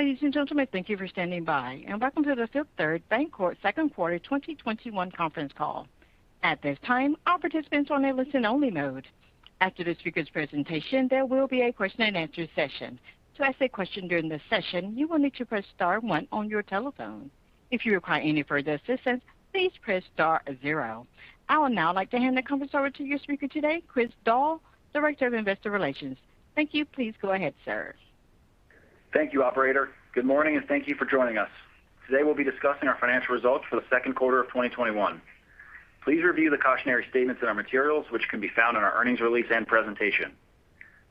Ladies and gentlemen, thank you for standing by, and welcome to the Fifth Third Bancorp second quarter 2021 conference call. At this time, all participants are in a listen only mode. After the speaker's presentation, there will be a question and answer session. To ask a question during this session, you will need to press star one on your telephone. If you require any further assistance, please press star zero. I would now like to hand the conference over to your speaker today, Chris Doll, Director of Investor Relations. Thank you. Please go ahead, sir. Thank you, operator. Good morning, and thank you for joining us. Today we'll be discussing our financial results for the second quarter of 2021. Please review the cautionary statements in our materials, which can be found in our earnings release and presentation.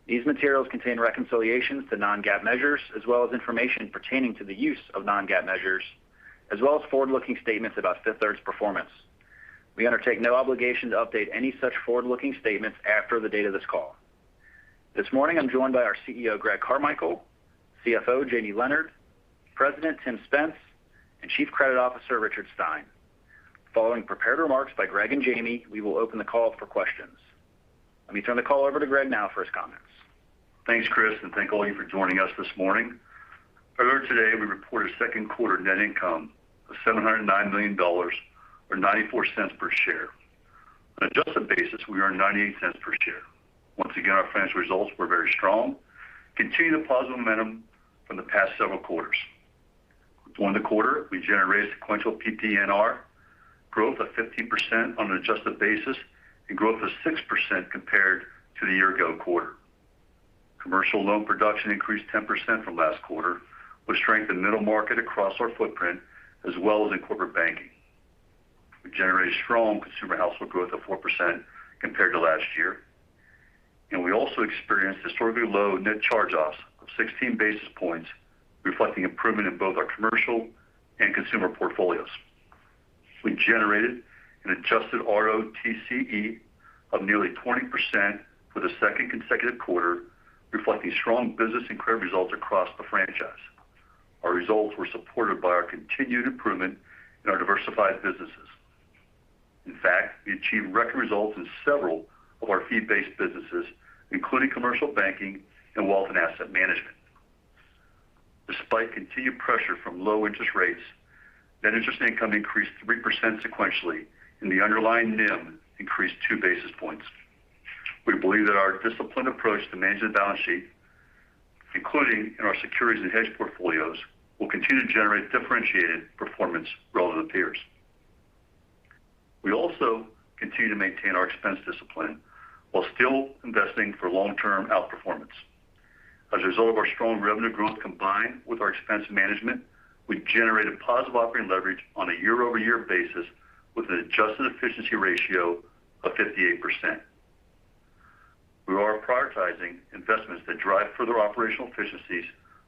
These materials contain reconciliations to non-GAAP measures, as well as information pertaining to the use of non-GAAP measures, as well as forward-looking statements about Fifth Third's performance. We undertake no obligation to update any such forward-looking statements after the date of this call. This morning I'm joined by our CEO, Greg Carmichael; CFO, Jamie Leonard; President, Tim Spence; and Chief Credit Officer, Richard Stein. Following prepared remarks by Greg and Jamie, we will open the call for questions. Let me turn the call over to Greg now for his comments. Thanks, Chris, and thank all of you for joining us this morning. Earlier today, we reported second quarter net income of $709 million, or $0.94 per share. On an adjusted basis, we earned $0.98 per share. Once again, our financial results were very strong, continuing the positive momentum from the past several quarters. During the quarter, we generated sequential PPNR growth of 15% on an adjusted basis, and growth of 6% compared to the year ago quarter. Commercial loan production increased 10% from last quarter with strength in middle market across our footprint as well as in corporate banking. We generated strong consumer household growth of 4% compared to last year. We also experienced historically low net charge-offs of 16 basis points, reflecting improvement in both our commercial and consumer portfolios. We generated an adjusted ROTCE of nearly 20% for the second consecutive quarter, reflecting strong business and credit results across the franchise. Our results were supported by our continued improvement in our diversified businesses. In fact, we achieved record results in several of our fee-based businesses, including commercial banking and wealth and asset management. Despite continued pressure from low interest rates, net interest income increased 3% sequentially, and the underlying NIM increased 2 basis points. We believe that our disciplined approach to managing the balance sheet, including in our securities and hedge portfolios, will continue to generate differentiated performance relative to peers. We also continue to maintain our expense discipline while still investing for long-term outperformance. As a result of our strong revenue growth combined with our expense management, we generated positive operating leverage on a year-over-year basis with an adjusted efficiency ratio of 58%. We are prioritizing investments that drive further operational efficiencies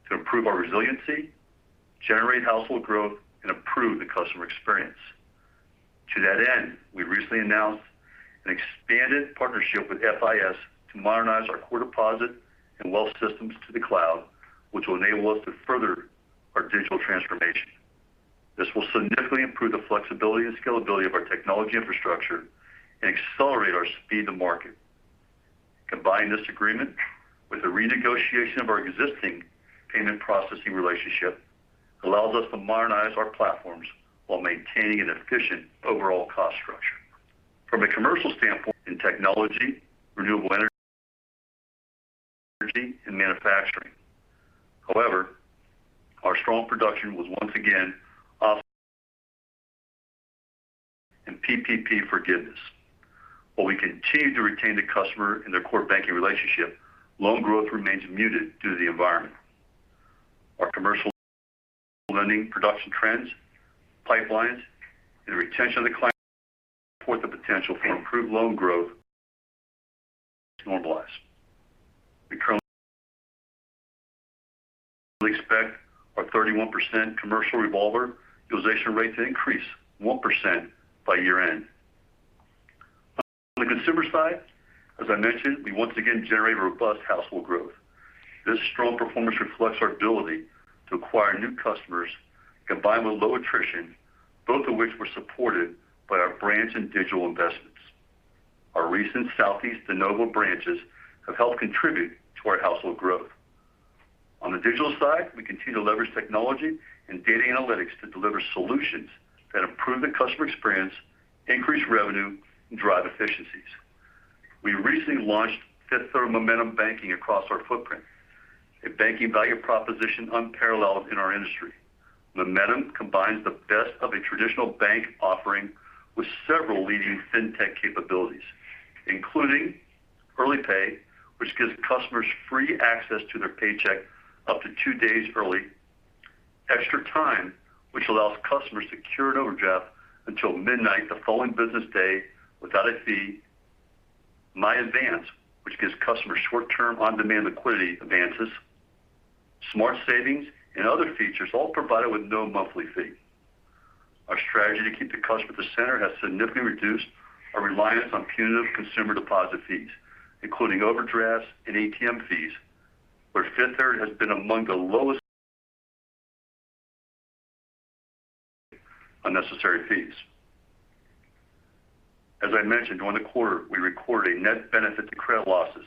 to improve our resiliency, generate household growth, and improve the customer experience. To that end, we recently announced an expanded partnership with FIS to modernize our core deposit and wealth systems to the cloud, which will enable us to further our digital transformation. This will significantly improve the flexibility and scalability of our technology infrastructure and accelerate our speed to market. Combine this agreement with the renegotiation of our existing payment processing relationship allows us to modernize our platforms while maintaining an efficient overall cost structure. From a commercial standpoint in technology, renewable energy, and manufacturing. Our strong production was once again off in PPP forgiveness. While we continue to retain the customer in their core banking relationship, loan growth remains muted due to the environment. Our commercial lending production trends, pipelines, and retention of the client support the potential for improved loan growth to normalize. We currently expect our 31% commercial revolver utilization rate to increase 1% by year-end. On the consumer side, as I mentioned, we once again generate robust household growth. This strong performance reflects our ability to acquire new customers, combined with low attrition, both of which were supported by our branch and digital investments. Our recent Southeast de novo branches have helped contribute to our household growth. On the digital side, we continue to leverage technology and data analytics to deliver solutions that improve the customer experience, increase revenue, and drive efficiencies. We recently launched Fifth Third Momentum Banking across our footprint, a banking value proposition unparalleled in our industry. Momentum combines the best of a traditional bank offering with several leading fintech capabilities, including Early Pay, which gives customers free access to their paycheck up to two days early, Extra Time, which allows customers to carry an overdraft until midnight the following business day without a fee, MyAdvance, which gives customers short-term on-demand liquidity advances, Smart Savings, and other features all provided with no monthly fee. Our strategy to keep the customer at the center has significantly reduced our reliance on punitive consumer deposit fees, including overdrafts and ATM fees, where Fifth Third has been among the lowest unnecessary fees. As I mentioned, during the quarter, we recorded a net benefit to credit losses,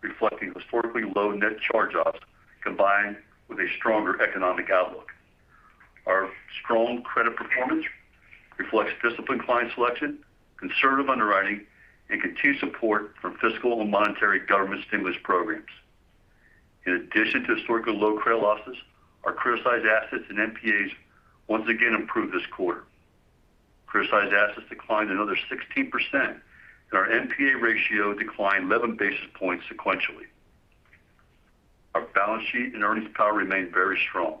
reflecting historically low net charge-offs, combined with a stronger economic outlook. Our strong credit performance reflects disciplined client selection, conservative underwriting, and continued support from fiscal and monetary government stimulus programs. In addition to historically low credit losses, our criticized assets and NPAs once again improved this quarter. Criticized assets declined another 16%, and our NPA ratio declined 11 basis points sequentially. Our balance sheet and earnings power remained very strong.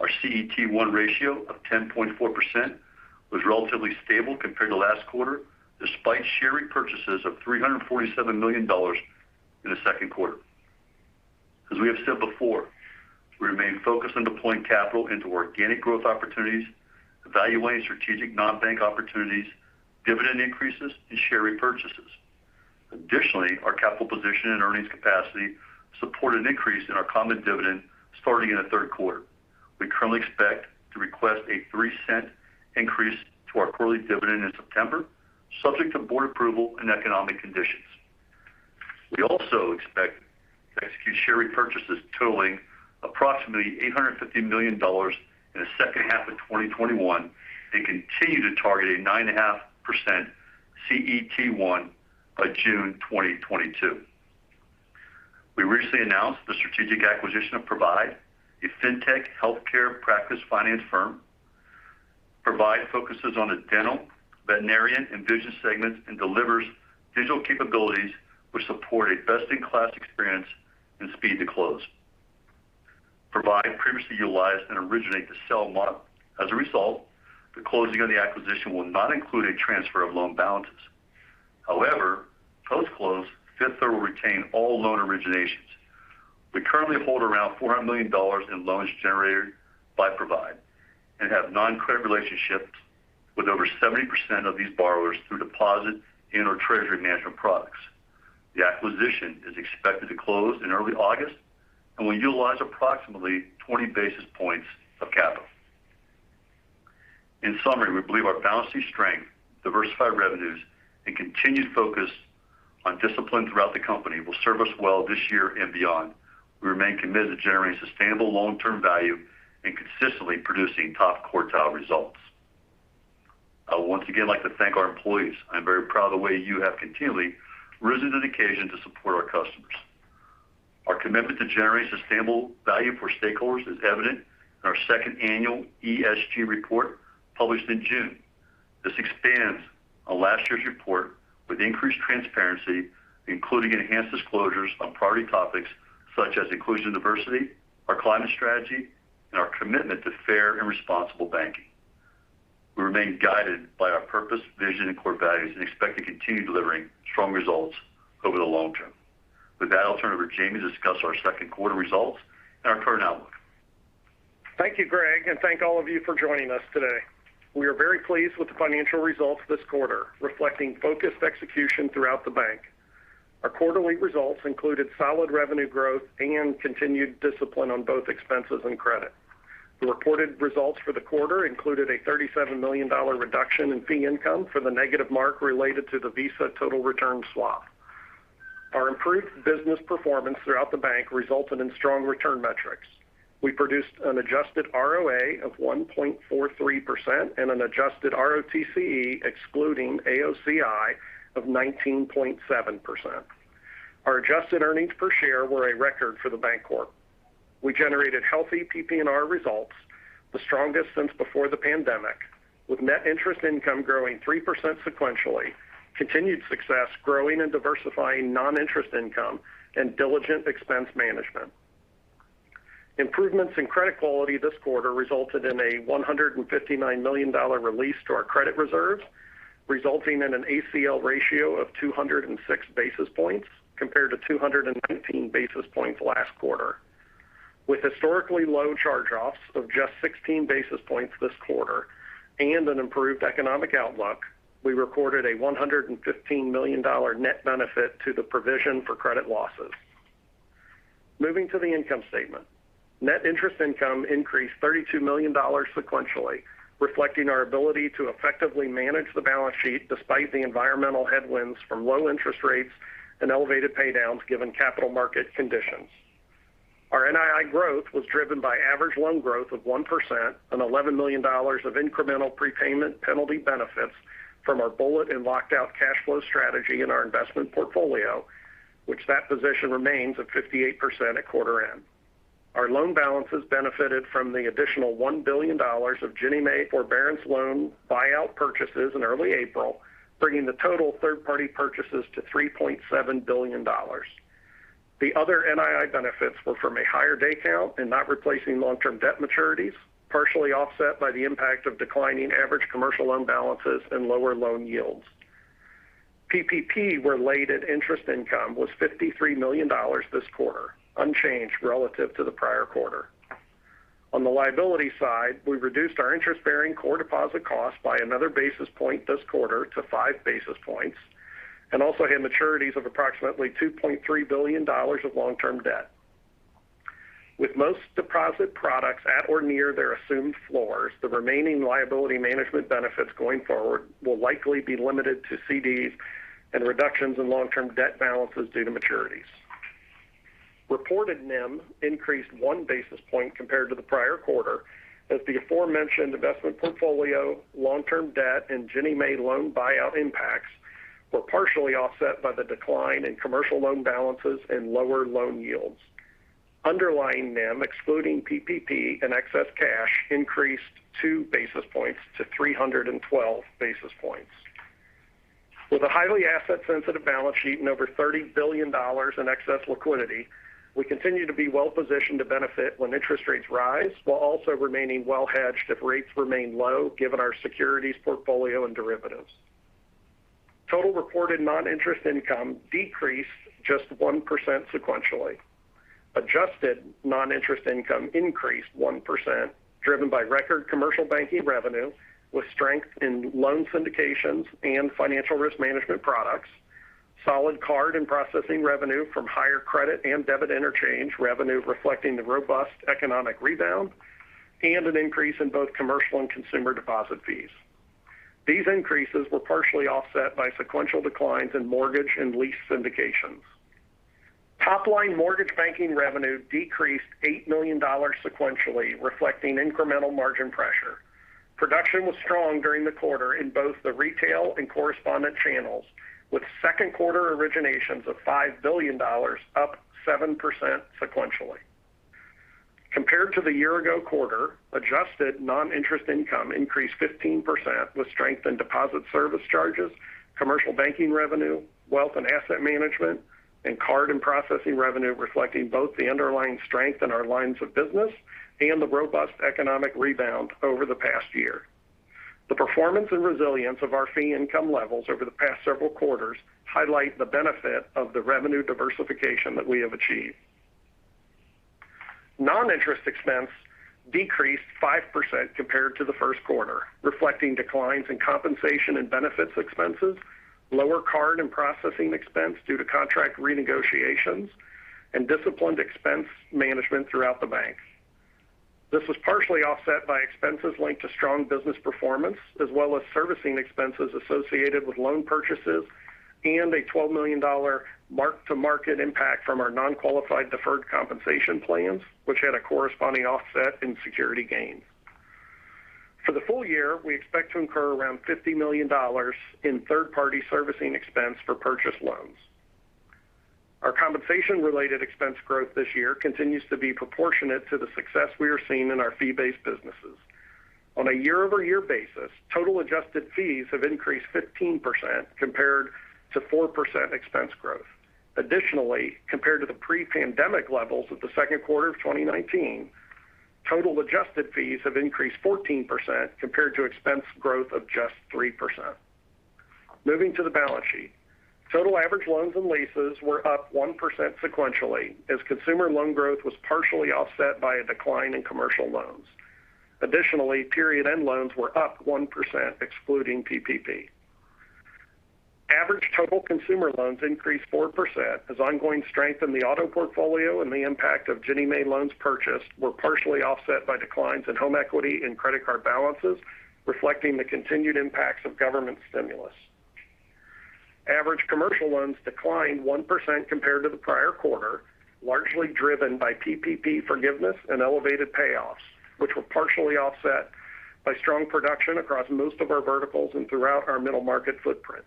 Our CET1 ratio of 10.4% was relatively stable compared to last quarter, despite share repurchases of $347 million in the second quarter. As we have said before, we remain focused on deploying capital into organic growth opportunities, evaluating strategic non-bank opportunities, dividend increases, and share repurchases. Additionally, our capital position and earnings capacity support an increase in our common dividend starting in the third quarter. We currently expect to request a $0.03 increase to our quarterly dividend in September, subject to board approval and economic conditions. We also expect to execute share repurchases totaling approximately $850 million in the second half of 2021 and continue to target a 9.5% CET1 by June 2022. We recently announced the strategic acquisition of Provide, a fintech healthcare practice finance firm. Provide focuses on the dental, veterinarian, and vision segments, and delivers digital capabilities which support a best-in-class experience and speed to close. Provide previously utilized an originate-to-sell model. As a result, the closing of the acquisition will not include a transfer of loan balances. However, post-close, Fifth Third will retain all loan originations. We currently hold around $400 million in loans generated by Provide and have non-credit relationships with over 70% of these borrowers through deposit and our treasury management products. The acquisition is expected to close in early August and will utilize approximately 20 basis points of capital. In summary, we believe our balance sheet strength, diversified revenues, and continued focus on discipline throughout the company will serve us well this year and beyond. We remain committed to generating sustainable long-term value and consistently producing top quartile results. I would once again like to thank our employees. I'm very proud of the way you have continually risen to the occasion to support our customers. Our commitment to generating sustainable value for stakeholders is evident in our second annual ESG report, published in June. This expands on last year's report with increased transparency, including enhanced disclosures on priority topics such as inclusion and diversity, our climate strategy, and our commitment to fair and responsible banking. We remain guided by our purpose, vision, and core values, and expect to continue delivering strong results over the long term. With that, I'll turn it over to Jamie to discuss our second quarter results and our current outlook. Thank you, Greg, and thank all of you for joining us today. We are very pleased with the financial results this quarter, reflecting focused execution throughout the bank. Our quarterly results included solid revenue growth and continued discipline on both expenses and credit. The reported results for the quarter included a $37 million reduction in fee income for the negative mark related to the Visa total return swap. Our improved business performance throughout the bank resulted in strong return metrics. We produced an adjusted ROA of 1.43% and an adjusted ROTCE, excluding AOCI, of 19.7%. Our adjusted earnings per share were a record for the Bancorp. We generated healthy PPNR results, the strongest since before the pandemic, with net interest income growing 3% sequentially, continued success growing and diversifying non-interest income, and diligent expense management. Improvements in credit quality this quarter resulted in a $159 million release to our credit reserves, resulting in an ACL ratio of 206 basis points, compared to 219 basis points last quarter. With historically low charge-offs of just 16 basis points this quarter and an improved economic outlook, we recorded a $115 million net benefit to the provision for credit losses. Moving to the income statement. Net interest income increased $32 million sequentially, reflecting our ability to effectively manage the balance sheet despite the environmental headwinds from low interest rates and elevated paydowns given capital market conditions. Our NII growth was driven by average loan growth of 1% and $11 million of incremental prepayment penalty benefits from our bullet and locked-out cash flow strategy in our investment portfolio, which that position remains at 58% at quarter end. Our loan balances benefited from the additional $1 billion of Ginnie Mae forbearance loan buyout purchases in early April, bringing the total third-party purchases to $3.7 billion. The other NII benefits were from a higher day count and not replacing long-term debt maturities, partially offset by the impact of declining average commercial loan balances and lower loan yields. PPP-related interest income was $53 million this quarter, unchanged relative to the prior quarter. On the liability side, we reduced our interest-bearing core deposit cost by another basis point this quarter to 5 basis points, and also had maturities of approximately $2.3 billion of long-term debt. With most deposit products at or near their assumed floors, the remaining liability management benefits going forward will likely be limited to CDs and reductions in long-term debt balances due to maturities. Reported NIM increased 1 basis point compared to the prior quarter, as the aforementioned investment portfolio, long-term debt, and Ginnie Mae loan buyout impacts were partially offset by the decline in commercial loan balances and lower loan yields. Underlying NIM, excluding PPP and excess cash, increased 2 basis points to 312 basis points. With a highly asset-sensitive balance sheet and over $30 billion in excess liquidity, we continue to be well-positioned to benefit when interest rates rise while also remaining well-hedged if rates remain low, given our securities portfolio and derivatives. Total reported non-interest income decreased just 1% sequentially. Adjusted non-interest income increased 1%, driven by record commercial banking revenue with strength in loan syndications and financial risk management products, solid card and processing revenue from higher credit and debit interchange revenue reflecting the robust economic rebound, and an increase in both commercial and consumer deposit fees. These increases were partially offset by sequential declines in mortgage and lease syndications. Top-line mortgage banking revenue decreased $8 million sequentially, reflecting incremental margin pressure. Production was strong during the quarter in both the retail and correspondent channels, with second quarter originations of $5 billion, up 7% sequentially. Compared to the year-ago quarter, adjusted non-interest income increased 15%, with strength in deposit service charges, commercial banking revenue, wealth and asset management, and card and processing revenue reflecting both the underlying strength in our lines of business and the robust economic rebound over the past year. The performance and resilience of our fee income levels over the past several quarters highlight the benefit of the revenue diversification that we have achieved. Non-interest expense decreased 5% compared to the first quarter, reflecting declines in compensation and benefits expenses, lower card and processing expense due to contract renegotiations, and disciplined expense management throughout the bank. This was partially offset by expenses linked to strong business performance, as well as servicing expenses associated with loan purchases and a $12 million mark-to-market impact from our non-qualified deferred compensation plans, which had a corresponding offset in security gains. For the full year, we expect to incur around $50 million in third-party servicing expense for purchased loans. Our compensation-related expense growth this year continues to be proportionate to the success we are seeing in our fee-based businesses. On a year-over-year basis, total adjusted fees have increased 15% compared to 4% expense growth. Additionally, compared to the pre-pandemic levels of the second quarter of 2019, total adjusted fees have increased 14% compared to expense growth of just 3%. Moving to the balance sheet. Total average loans and leases were up 1% sequentially as consumer loan growth was partially offset by a decline in commercial loans. Additionally, period-end loans were up 1%, excluding PPP. Average total consumer loans increased 4% as ongoing strength in the auto portfolio and the impact of Ginnie Mae loans purchased were partially offset by declines in home equity and credit card balances, reflecting the continued impacts of government stimulus. Average commercial loans declined 1% compared to the prior quarter, largely driven by PPP forgiveness and elevated payoffs, which were partially offset by strong production across most of our verticals and throughout our middle market footprint.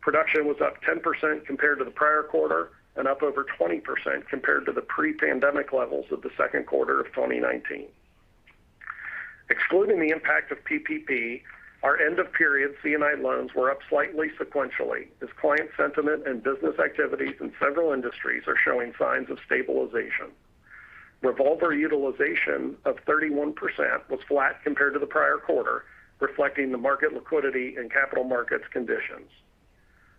Production was up 10% compared to the prior quarter and up over 20% compared to the pre-pandemic levels of the second quarter of 2019. Excluding the impact of PPP, our end-of-period C&I loans were up slightly sequentially as client sentiment and business activities in several industries are showing signs of stabilization. Revolver utilization of 31% was flat compared to the prior quarter, reflecting the market liquidity and capital markets conditions.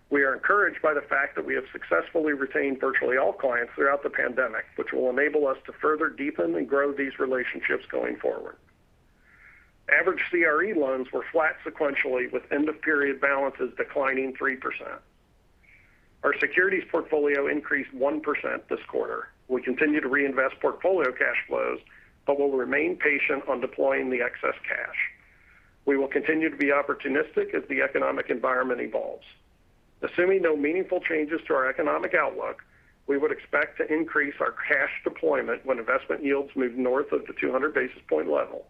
We are encouraged by the fact that we have successfully retained virtually all clients throughout the pandemic, which will enable us to further deepen and grow these relationships going forward. Average CRE loans were flat sequentially with end-of-period balances declining 3%. Our securities portfolio increased 1% this quarter. We continue to reinvest portfolio cash flows but will remain patient on deploying the excess cash. We will continue to be opportunistic as the economic environment evolves. Assuming no meaningful changes to our economic outlook, we would expect to increase our cash deployment when investment yields move north of the 200 basis point level.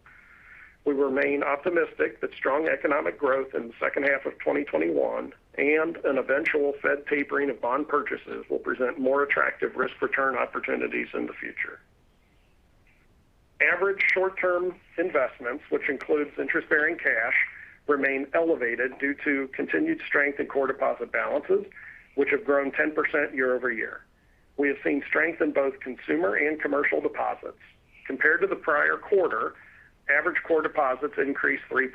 We remain optimistic that strong economic growth in the second half of 2021 and an eventual Fed tapering of bond purchases will present more attractive risk-return opportunities in the future. Average short-term investments, which includes interest-bearing cash, remain elevated due to continued strength in core deposit balances, which have grown 10% year-over-year. We have seen strength in both consumer and commercial deposits. Compared to the prior quarter, average core deposits increased 3%.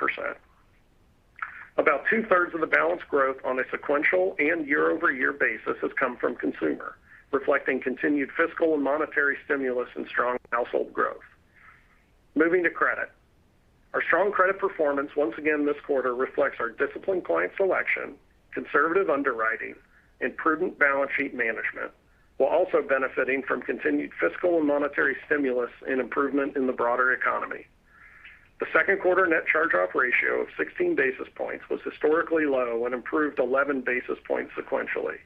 About two-thirds of the balance growth on a sequential and year-over-year basis has come from consumer, reflecting continued fiscal and monetary stimulus and strong household growth. Moving to credit. Our strong credit performance once again this quarter reflects our disciplined client selection, conservative underwriting, and prudent balance sheet management, while also benefiting from continued fiscal and monetary stimulus and improvement in the broader economy. The second quarter net charge-off ratio of 16 basis points was historically low and improved 11 basis points sequentially.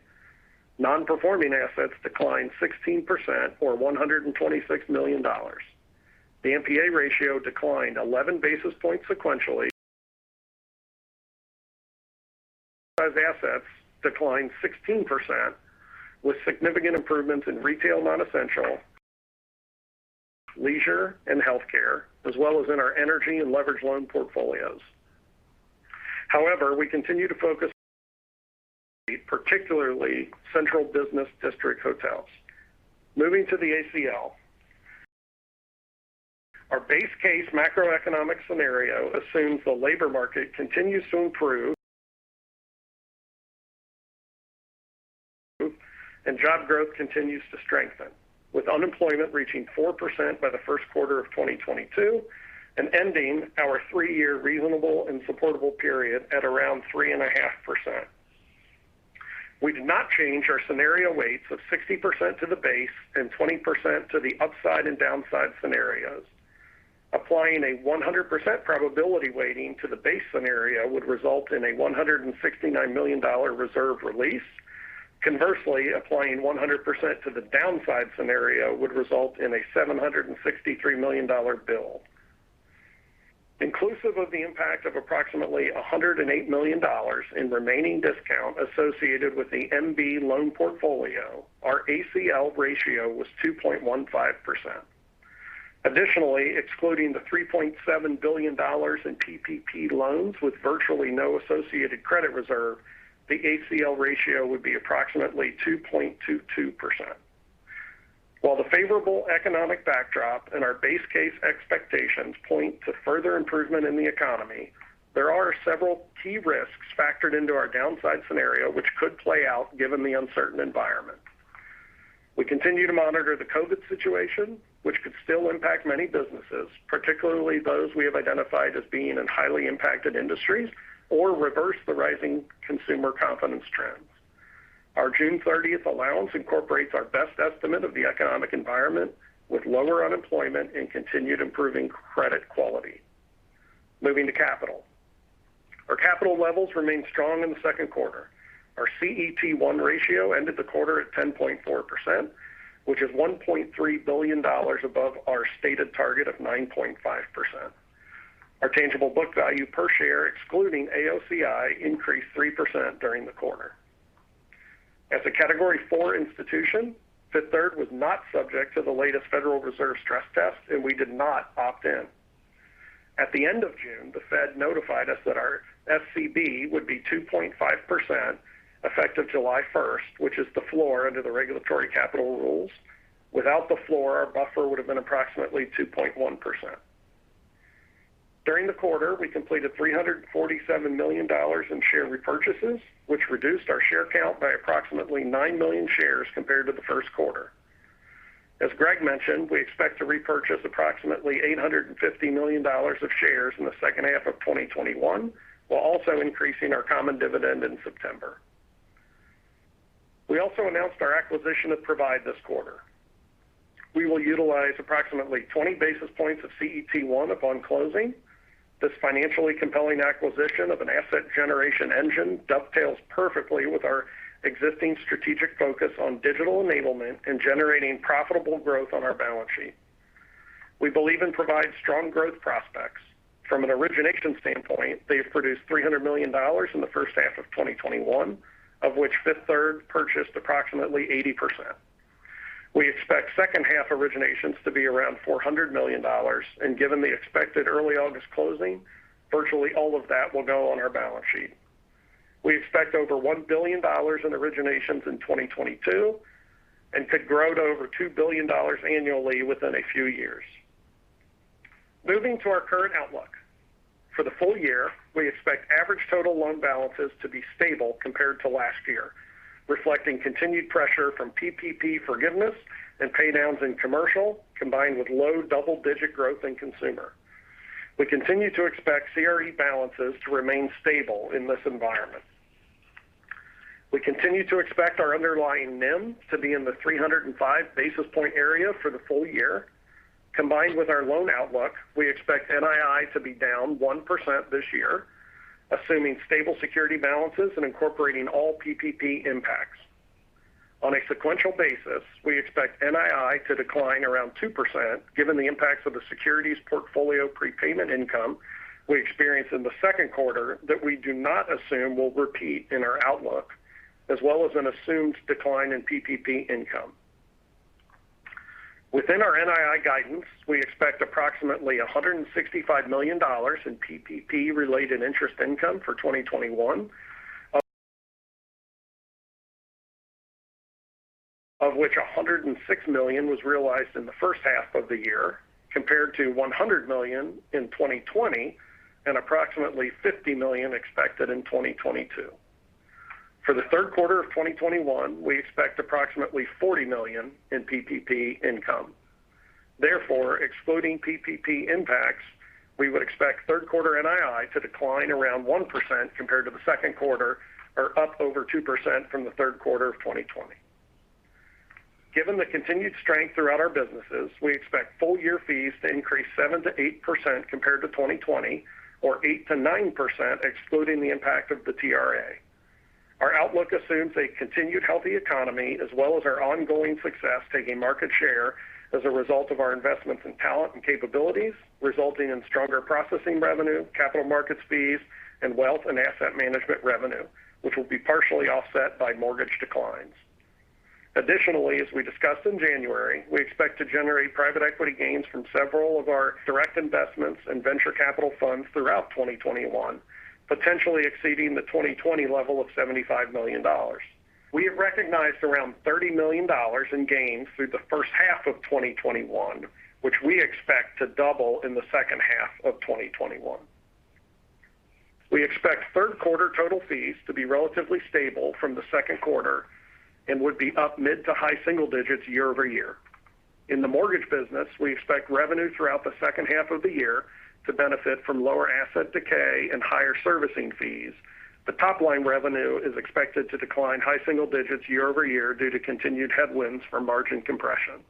Non-performing assets declined 16%, or $126 million. The NPA ratio declined 11 basis points sequentially as assets declined 16%, with significant improvements in retail non-essential, leisure, and healthcare, as well as in our energy and leverage loan portfolios. However, we continue to focus, particularly central business district hotels. Moving to the ACL. Our base case macroeconomic scenario assumes the labor market continues to improve, and job growth continues to strengthen, with unemployment reaching 4% by the first quarter of 2022 and ending our three-year reasonable and supportable period at around 3.5%. We did not change our scenario weights of 60% to the base and 20% to the upside and downside scenarios. Applying a 100% probability weighting to the base scenario would result in a $169 million reserve release. Conversely, applying 100% to the downside scenario would result in a $763 million bill. Inclusive of the impact of approximately $108 million in remaining discount associated with the MB loan portfolio, our ACL ratio was 2.15%. Additionally, excluding the $3.7 billion in PPP loans with virtually no associated credit reserve, the ACL ratio would be approximately 2.22%. While the favorable economic backdrop and our base case expectations point to further improvement in the economy, there are several key risks factored into our downside scenario which could play out given the uncertain environment. We continue to monitor the COVID situation, which could still impact many businesses, particularly those we have identified as being in highly impacted industries, or reverse the rising consumer confidence trends. Our June 30th allowance incorporates our best estimate of the economic environment, with lower unemployment and continued improving credit quality. Moving to capital. Our capital levels remained strong in the second quarter. Our CET1 ratio ended the quarter at 10.4%, which is $1.3 billion above our stated target of 9.5%. Our tangible book value per share, excluding AOCI, increased 3% during the quarter. As a Category IV institution, Fifth Third was not subject to the latest Federal Reserve stress test, and we did not opt in. At the end of June, the Fed notified us that our SCB would be 2.5% effective July 1st, which is the floor under the regulatory capital rules. Without the floor, our buffer would've been approximately 2.1%. During the quarter, we completed $347 million in share repurchases, which reduced our share count by approximately 9 million shares compared to the first quarter. As Greg mentioned, we expect to repurchase approximately $850 million of shares in the second half of 2021, while also increasing our common dividend in September. We also announced our acquisition of Provide this quarter. We will utilize approximately 20 basis points of CET1 upon closing. This financially compelling acquisition of an asset generation engine dovetails perfectly with our existing strategic focus on digital enablement and generating profitable growth on our balance sheet. We believe in Provide's strong growth prospects. From an origination standpoint, they've produced $300 million in the first half of 2021, of which Fifth Third purchased approximately 80%. We expect second half originations to be around $400 million, and given the expected early August closing, virtually all of that will go on our balance sheet. We expect over $1 billion in originations in 2022, and could grow to over $2 billion annually within a few years. Moving to our current outlook. For the full year, we expect average total loan balances to be stable compared to last year, reflecting continued pressure from PPP forgiveness and pay-downs in commercial, combined with low double-digit growth in consumer. We continue to expect CRE balances to remain stable in this environment. We continue to expect our underlying NIM to be in the 305 basis point area for the full year. Combined with our loan outlook, we expect NII to be down 1% this year, assuming stable security balances and incorporating all PPP impacts. On a sequential basis, we expect NII to decline around 2% given the impacts of the securities portfolio prepayment income we experienced in the second quarter that we do not assume will repeat in our outlook, as well as an assumed decline in PPP income. Within our NII guidance, we expect approximately $165 million in PPP-related interest income for 2021, of which $106 million was realized in the first half of the year, compared to $100 million in 2020 and approximately $50 million expected in 2022. For the third quarter of 2021, we expect approximately $40 million in PPP income. Excluding PPP impacts, we would expect third quarter NII to decline around 1% compared to the second quarter, or up over 2% from the third quarter of 2020. Given the continued strength throughout our businesses, we expect full year fees to increase 7%-8% compared to 2020, or 8%-9% excluding the impact of the TRA. Our outlook assumes a continued healthy economy as well as our ongoing success taking market share as a result of our investments in talent and capabilities, resulting in stronger processing revenue, capital markets fees, and Wealth and Asset Management revenue, which will be partially offset by mortgage declines. Additionally, as we discussed in January, we expect to generate private equity gains from several of our direct investments and venture capital funds throughout 2021, potentially exceeding the 2020 level of $75 million. We have recognized around $30 million in gains through the first half of 2021, which we expect to double in the second half of 2021. We expect third quarter total fees to be relatively stable from the second quarter and would be up mid to high single digits year-over-year. In the mortgage business, we expect revenue throughout the second half of the year to benefit from lower asset decay and higher servicing fees. The top-line revenue is expected to decline high single digits year-over-year due to continued headwinds from margin compression.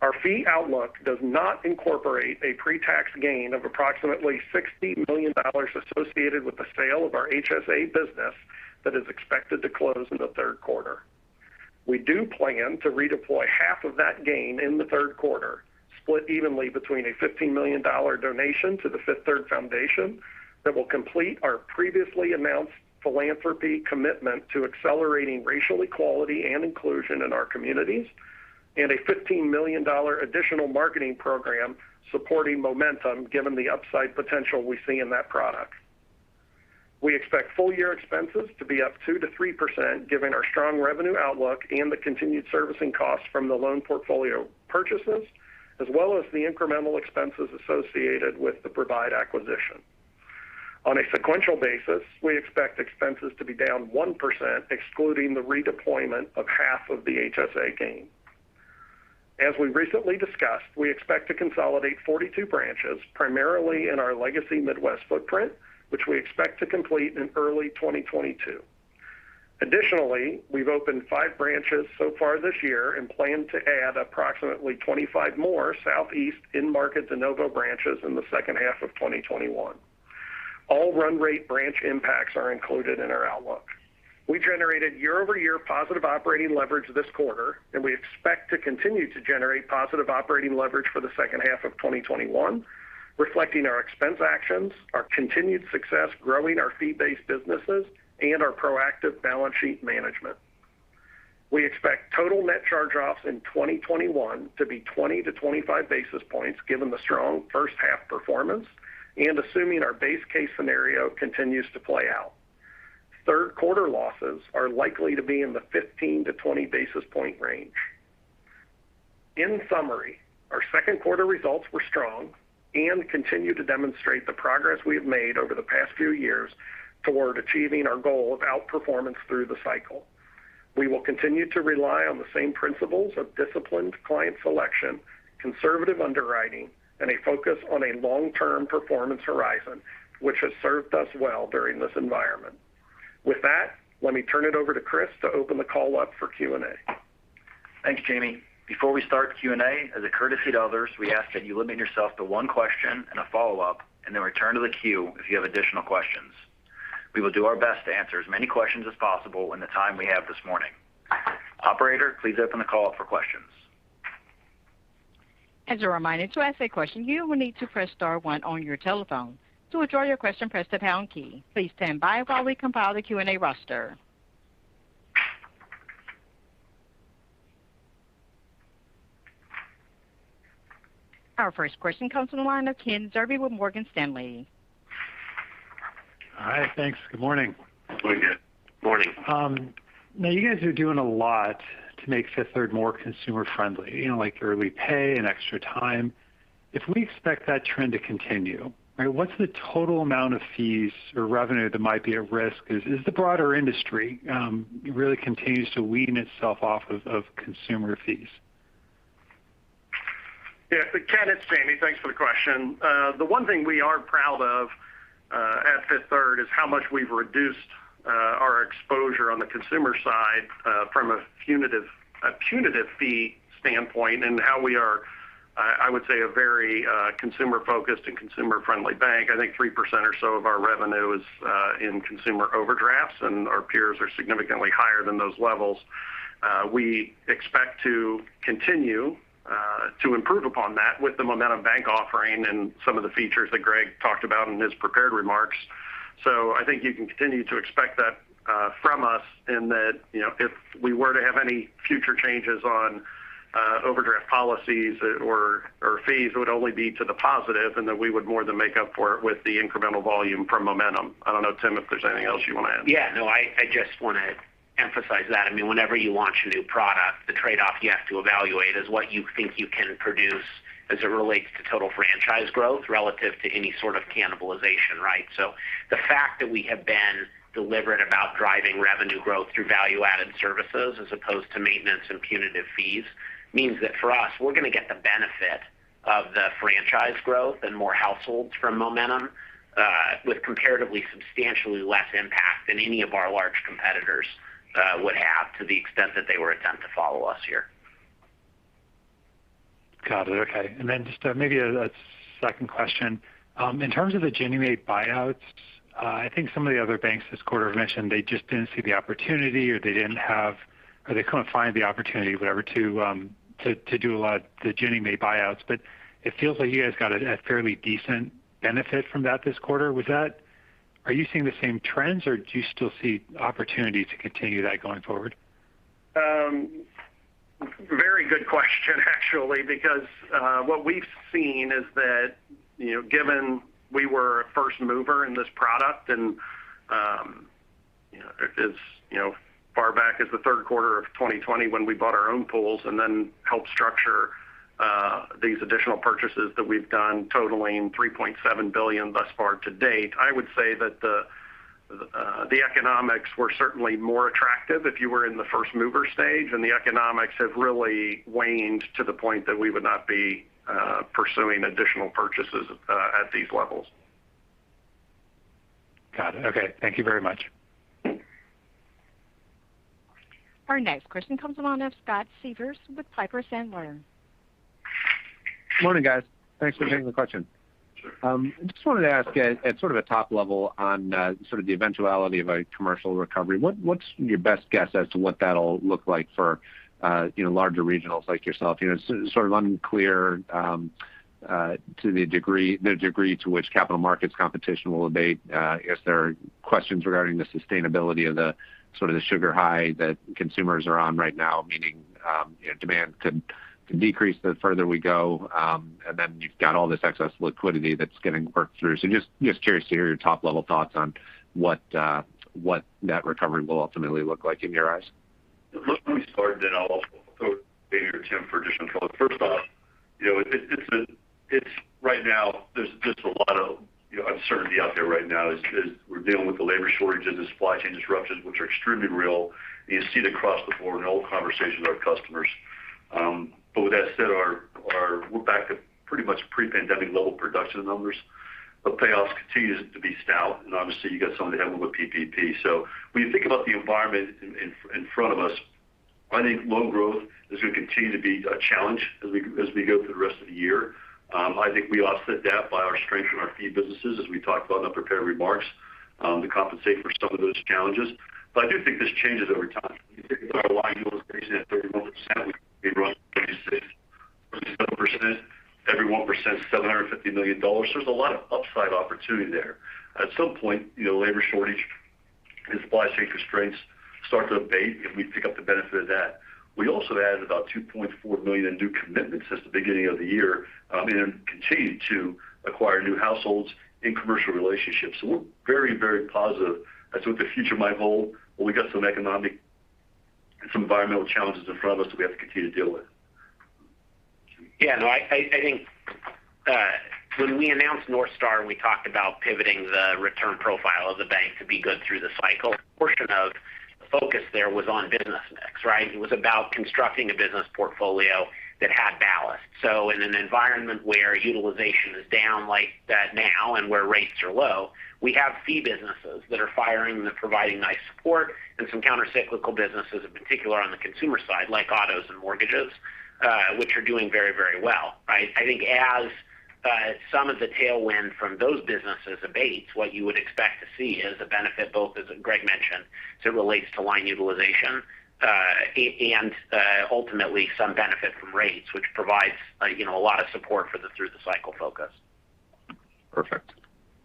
Our fee outlook does not incorporate a pre-tax gain of approximately $60 million associated with the sale of our HSA business that is expected to close in the third quarter. We do plan to redeploy half of that gain in the third quarter, split evenly between a $15 million donation to the Fifth Third Foundation that will complete our previously announced philanthropy commitment to accelerating racial equality and inclusion in our communities, and a $15 million additional marketing program supporting Momentum given the upside potential we see in that product. We expect full year expenses to be up 2%-3% given our strong revenue outlook and the continued servicing costs from the loan portfolio purchases, as well as the incremental expenses associated with the Provide acquisition. On a sequential basis, we expect expenses to be down 1%, excluding the redeployment of half of the HSA gain. As we recently discussed, we expect to consolidate 42 branches, primarily in our legacy Midwest footprint, which we expect to complete in early 2022. Additionally, we've opened five branches so far this year and plan to add approximately 25 more Southeast in-market de novo branches in the second half of 2021. All run rate branch impacts are included in our outlook. We generated year-over-year positive operating leverage this quarter, and we expect to continue to generate positive operating leverage for the second half of 2021, reflecting our expense actions, our continued success growing our fee-based businesses, and our proactive balance sheet management. We expect total net charge-offs in 2021 to be 20-25 basis points given the strong first half performance and assuming our base case scenario continues to play out. Third quarter losses are likely to be in the 15-20 basis point range. In summary, our second quarter results were strong and continue to demonstrate the progress we have made over the past few years toward achieving our goal of outperformance through the cycle. We will continue to rely on the same principles of disciplined client selection, conservative underwriting, and a focus on a long-term performance horizon, which has served us well during this environment. With that, let me turn it over to Chris to open the call up for Q&A. Thanks, Jamie. Before we start Q&A, as a courtesy to others, we ask that you limit yourself to one question and a follow-up, and then return to the queue if you have additional questions. We will do our best to answer as many questions as possible in the time we have this morning. Operator, please open the call up for questions. As a reminder, to ask a question, you will need to press star one on your telephone. To withdraw your question, press the pound key. Please stand by while we compile the Q&A roster. Our first question comes from the line of Ken Zerbe with Morgan Stanley. Hi. Thanks. Good morning. Morning. Morning. You guys are doing a lot to make Fifth Third more consumer friendly, like Early Pay and Extra Time. If we expect that trend to continue, what's the total amount of fees or revenue that might be at risk as the broader industry really continues to wean itself off of consumer fees? Yeah. Ken, it's Jamie. Thanks for the question. The one thing we are proud of at Fifth Third is how much we've reduced our exposure on the consumer side from a punitive fee standpoint and how we are, I would say, a very consumer-focused and consumer-friendly bank. I think 3% or so of our revenue is in consumer overdrafts, and our peers are significantly higher than those levels. We expect to continue to improve upon that with the Momentum Banking and some of the features that Greg talked about in his prepared remarks. I think you can continue to expect that from us in that if we were to have any future changes on Overdraft policies or fees would only be to the positive, and that we would more than make up for it with the incremental volume from Momentum. I don't know, Tim, if there's anything else you want to add? Yeah, no, I just want to emphasize that. Whenever you launch a new product, the trade-off you have to evaluate is what you think you can produce as it relates to total franchise growth relative to any sort of cannibalization, right? The fact that we have been deliberate about driving revenue growth through value-added services as opposed to maintenance and punitive fees means that for us, we're going to get the benefit of the franchise growth and more households from Momentum, with comparatively substantially less impact than any of our large competitors would have to the extent that they were attempt to follow us here. Got it. Okay. Then just maybe a second question. In terms of the Ginnie Mae buyouts, I think some of the other banks this quarter have mentioned they just didn't see the opportunity or they couldn't find the opportunity, whatever, to do a lot of the Ginnie Mae buyouts. It feels like you guys got a fairly decent benefit from that this quarter. Are you seeing the same trends, or do you still see opportunity to continue that going forward? Very good question, actually, because what we've seen is that, given we were a first mover in this product and as far back as the third quarter of 2020 when we bought our own pools and then helped structure these additional purchases that we've done totaling $3.7 billion thus far to date, I would say that the economics were certainly more attractive if you were in the first mover stage, and the economics have really waned to the point that we would not be pursuing additional purchases at these levels. Got it. Okay. Thank you very much. Our next question comes on the line of Scott Siefers with Piper Sandler. Morning, guys. Thanks for taking the question. Sure. I just wanted to ask at sort of a top level on the eventuality of a commercial recovery, what's your best guess as to what that'll look like for larger regionals like yourself? It's sort of unclear the degree to which capital markets competition will abate. I guess there are questions regarding the sustainability of the sugar high that consumers are on right now, meaning demand could decrease the further we go, and then you've got all this excess liquidity that's getting worked through. Just curious to hear your top-level thoughts on what that recovery will ultimately look like in your eyes. Let me start, then I'll go to either Tim for additional color. First off, right now there's just a lot of uncertainty out there right now, as we're dealing with the labor shortages and supply chain disruptions, which are extremely real, and you see it across the board in all conversations with our customers. With that said, we're back at pretty much pre-pandemic level production numbers, but payoffs continue to be stout, and obviously, you got some of the headwind with PPP. When you think about the environment in front of us, I think loan growth is going to continue to be a challenge as we go through the rest of the year. I think we offset that by our strength in our fee businesses, as we talked about in the prepared remarks, to compensate for some of those challenges. I do think this changes over time. When you think about our line utilization at 31%, we run 26%, 27%. Every 1%, $750 million. There's a lot of upside opportunity there. At some point, labor shortage and supply chain constraints start to abate, and we pick up the benefit of that. We also added about $2.4 million in new commitments since the beginning of the year and continue to acquire new households in commercial relationships. We're very positive as what the future might hold, but we've got some economic and some environmental challenges in front of us that we have to continue to deal with. Yeah, no, I think when we announced North Star and we talked about pivoting the return profile of the bank to be good through the cycle, a portion of the focus there was on business mix, right? It was about constructing a business portfolio that had ballast. In an environment where utilization is down like that now and where rates are low, we have fee businesses that are firing and providing nice support and some counter-cyclical businesses, in particular on the consumer side, like autos and mortgages, which are doing very well, right? I think as some of the tailwind from those businesses abates, what you would expect to see is a benefit both, as Greg mentioned, as it relates to line utilization, and ultimately some benefit from rates, which provides a lot of support for the through-the-cycle focus. Perfect.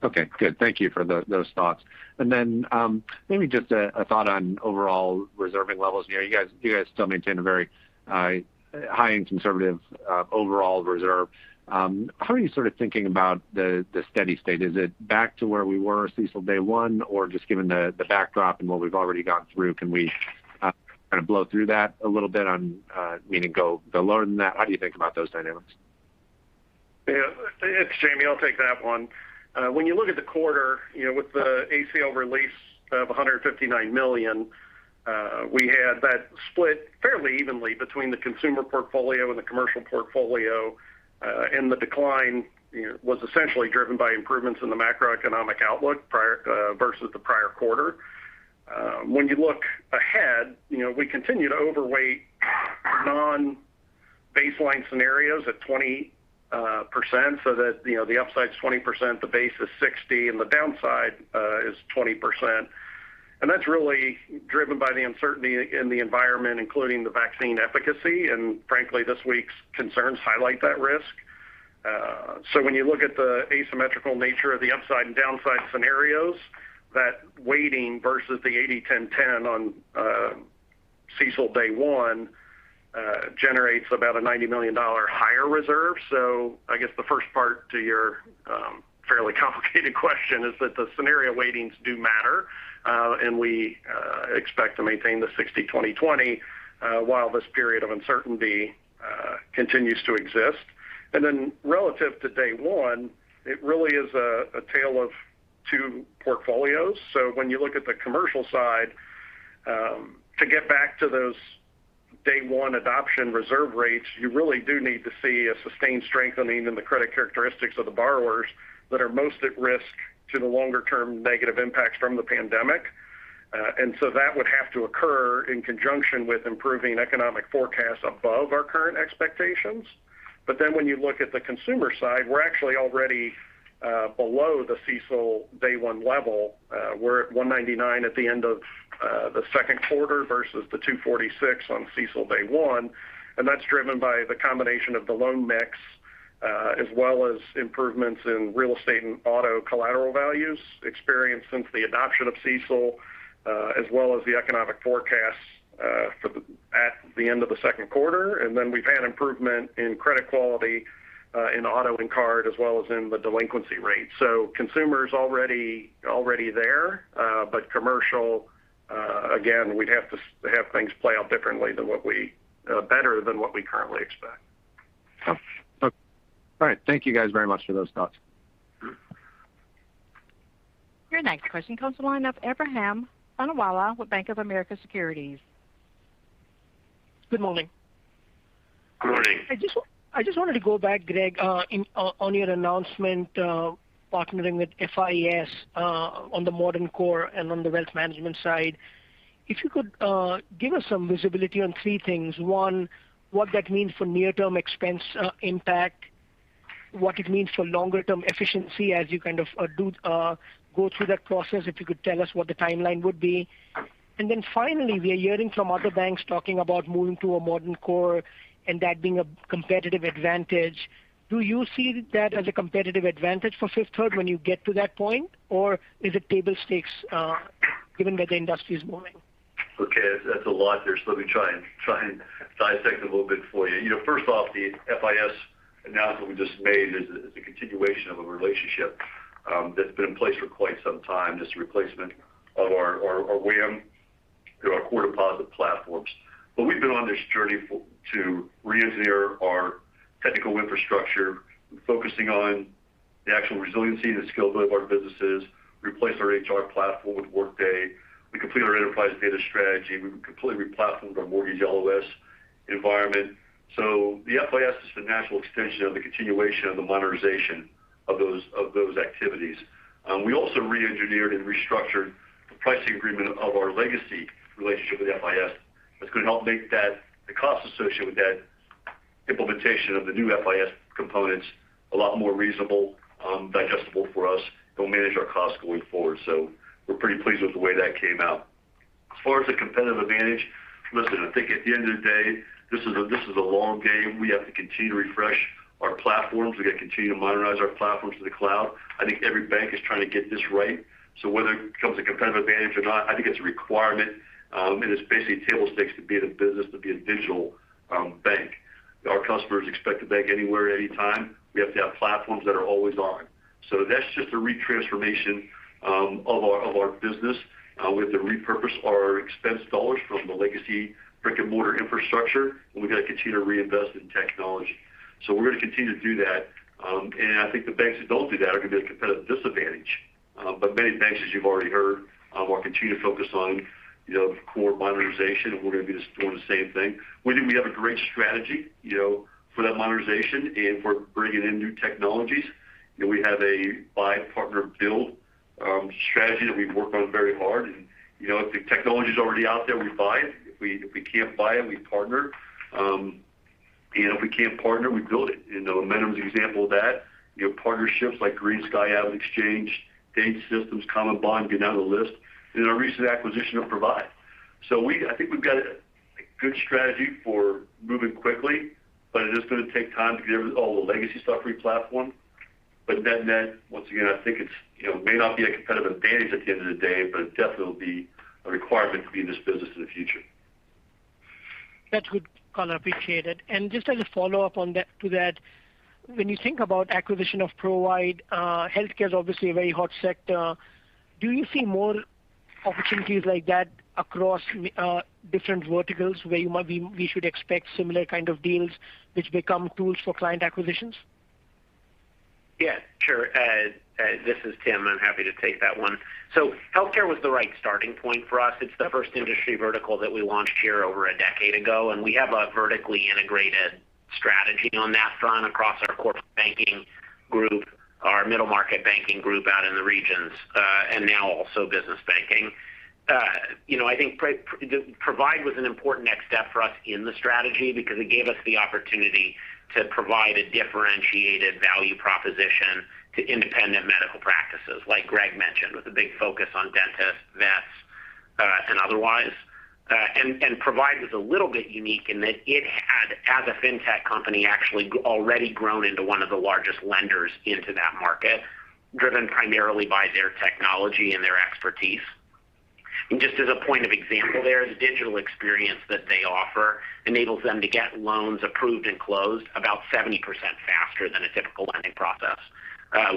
Okay, good. Thank you for those thoughts. Maybe just a thought on overall reserving levels. You guys still maintain a very high and conservative overall reserve. How are you thinking about the steady state? Is it back to where we were CECL day one, or just given the backdrop and what we've already gone through, can we kind of blow through that a little bit meaning go lower than that? How do you think about those dynamics? Yeah. It's Jamie. I'll take that one. When you look at the quarter, with the ACL release of $159 million, we had that split fairly evenly between the consumer portfolio and the commercial portfolio. The decline was essentially driven by improvements in the macroeconomic outlook versus the prior quarter. When you look ahead, we continue to overweight non-baseline scenarios at 20%. The upside's 20%, the base is 60%, and the downside is 20%. That's really driven by the uncertainty in the environment, including the vaccine efficacy, and frankly, this week's concerns highlight that risk. When you look at the asymmetrical nature of the upside and downside scenarios, that weighting versus the 80/10/10 on CECL day one generates about a $90 million higher reserve. I guess the first part to your fairly complicated question is that the scenario weightings do matter. We expect to maintain the 60/20/20, while this period of uncertainty continues to exist. Relative to day one, it really is a tale of two portfolios. When you look at the commercial side, to get back to those day-one adoption reserve rates, you really do need to see a sustained strengthening in the credit characteristics of the borrowers that are most at risk to the longer-term negative impacts from the pandemic. That would have to occur in conjunction with improving economic forecasts above our current expectations. When you look at the consumer side, we're actually already below the CECL day one level. We're at 199 at the end of the second quarter versus the 246 on CECL day one. That's driven by the combination of the loan mix, as well as improvements in real estate and auto collateral values experienced since the adoption of CECL as well as the economic forecasts at the end of the second quarter. We've had improvement in credit quality in auto and card, as well as in the delinquency rate. Consumer's already there. Commercial, again, we'd have to have things play out differently than better than what we currently expect. Okay. All right. Thank you guys very much for those thoughts. Your next question comes on the line of Ebrahim Poonawala with Bank of America Securities. Good morning. Good morning. I just wanted to go back, Greg, on your announcement, partnering with FIS on the modern core and on the wealth management side. If you could give us some visibility on three things. One, what that means for near-term expense impact. What it means for longer-term efficiency as you kind of go through that process, if you could tell us what the timeline would be. Finally, we are hearing from other banks talking about moving to a modern core and that being a competitive advantage. Do you see that as a competitive advantage for Fifth Third when you get to that point? Or is it table stakes given that the industry is moving? Okay. That's a lot there, so let me try and dissect a little bit for you. First off, the FIS announcement we just made is a continuation of a relationship that's been in place for quite some time, just a replacement of our WAM through our core deposit platforms. We've been on this journey to reengineer our technical infrastructure, focusing on the actual resiliency and the scalability of our businesses, replace our HR platform with Workday. We completed our enterprise data strategy. We completely replatformed our mortgage LOS environment. The FIS is the natural extension of the continuation of the modernization of those activities. We also reengineered and restructured the pricing agreement of our legacy relationship with FIS, which could help make the cost associated with that implementation of the new FIS components a lot more reasonable, digestible for us. It'll manage our costs going forward. We're pretty pleased with the way that came out. As far as the competitive advantage, listen, I think at the end of the day, this is a long game. We have to continue to refresh our platforms. We've got to continue to modernize our platforms to the cloud. I think every bank is trying to get this right. Whether it becomes a competitive advantage or not, I think it's a requirement, and it's basically table stakes to be in the business to be a digital bank. Our customers expect to bank anywhere, at any time. We have to have platforms that are always on. That's just a retransformation of our business. We have to repurpose our expense dollars from the legacy brick-and-mortar infrastructure, and we've got to continue to reinvest in technology. We're going to continue to do that. I think the banks that don't do that are going to be at a competitive disadvantage. Many banks, as you've already heard, will continue to focus on core modernization, and we're going to be doing the same thing. We think we have a great strategy for that modernization and for bringing in new technologies. We have a buy, partner, build strategy that we've worked on very hard, and if the technology's already out there, we buy it. If we can't buy it, we partner. If we can't partner, we build it. Momentum's an example of that. Partnerships like GreenSky, Avant, Date Systems, CommonBond, you can down the list, and our recent acquisition of Provide. I think we've got a good strategy for moving quickly, but it is going to take time to get rid of all the legacy stuff replatformed. Net net, once again, I think it may not be a competitive advantage at the end of the day, but it definitely will be a requirement to be in this business in the future. That's good color. Appreciate it. Just as a follow-up to that, when you think about acquisition of Provide, healthcare's obviously a very hot sector. Do you see more opportunities like that across different verticals where we should expect similar kind of deals which become tools for client acquisitions? Yeah, sure. This is Tim. I'm happy to take that one. Healthcare was the right starting point for us. It's the first industry vertical that we launched here over a decade ago, and we have a vertically integrated strategy on that front across our corporate banking group, our middle market banking group out in the regions, and now also business banking. I think Provide was an important next step for us in the strategy because it gave us the opportunity to provide a differentiated value proposition to independent medical practices, like Greg mentioned, with a big focus on dentists, vets, and otherwise. Provide was a little bit unique in that it had, as a fintech company, actually already grown into one of the largest lenders into that market, driven primarily by their technology and their expertise. Just as a point of example there, the digital experience that they offer enables them to get loans approved and closed about 70% faster than a typical lending process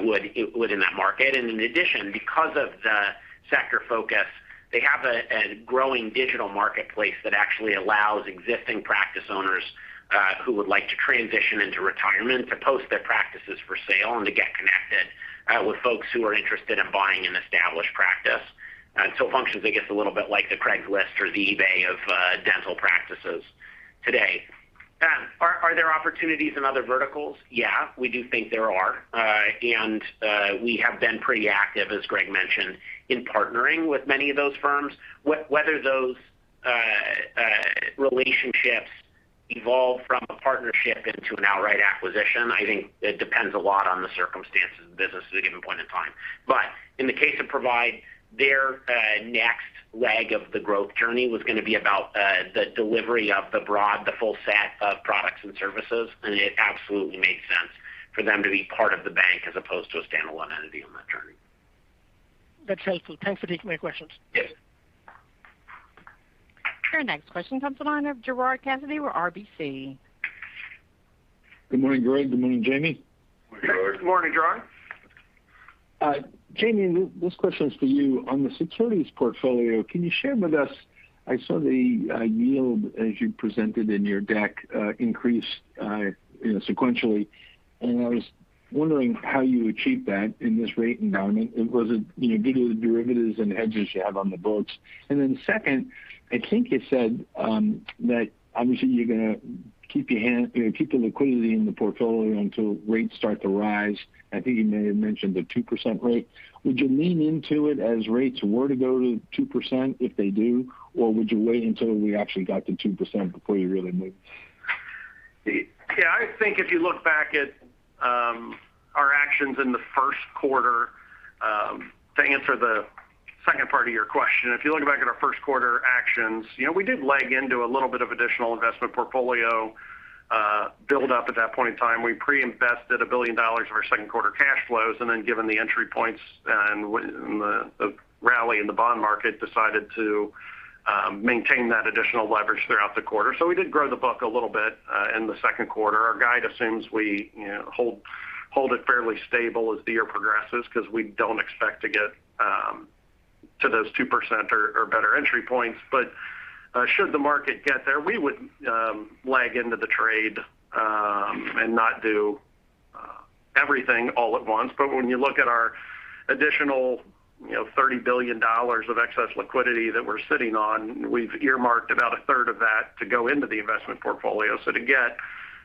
would within that market. In addition, because of the sector focus, they have a growing digital marketplace that actually allows existing practice owners who would like to transition into retirement to post their practices for sale and to get connected with folks who are interested in buying an established practice. It functions, I guess, a little bit like the Craigslist or the eBay of dental practices today. Are there opportunities in other verticals? Yeah, we do think there are. We have been pretty active, as Greg mentioned, in partnering with many of those firms. Whether those relationships evolve from a partnership into an outright acquisition, I think it depends a lot on the circumstances of the business at a given point in time. In the case of Provide, their next leg of the growth journey was going to be about the delivery of the broad, the full set of products and services, and it absolutely made sense for them to be part of the bank as opposed to a standalone entity on that journey. That's helpful. Thanks for taking my questions. Yes. Your next question comes on the line of Gerard Cassidy with RBC. Good morning, Greg. Good morning, Jamie. Morning, Gerard. Good morning, Gerard. Jamie, this question is for you. On the securities portfolio, can you share with us, I saw the yield as you presented in your deck increase sequentially. I was wondering how you achieved that in this rate environment. Was it due to the derivatives and hedges you have on the books? Second, I think you said that obviously you're going to keep the liquidity in the portfolio until rates start to rise. I think you may have mentioned the 2% rate. Would you lean into it as rates were to go to 2% if they do, or would you wait until we actually got to 2% before you really move? Yeah, I think if you look back at our actions in the first quarter, to answer the second part of your question. If you look back at our first quarter actions, we did leg into a little bit of additional investment portfolio build-up at that point in time. We pre-invested $1 billion of our second quarter cash flows, and then given the entry points and the rally in the bond market, decided to maintain that additional leverage throughout the quarter. We did grow the book a little bit in the second quarter. Our guide assumes we hold it fairly stable as the year progresses because we don't expect to get to those 2% or better entry points. Should the market get there, we would leg into the trade and not do everything all at once. When you look at our additional $30 billion of excess liquidity that we're sitting on, we've earmarked about a third of that to go into the investment portfolio. To get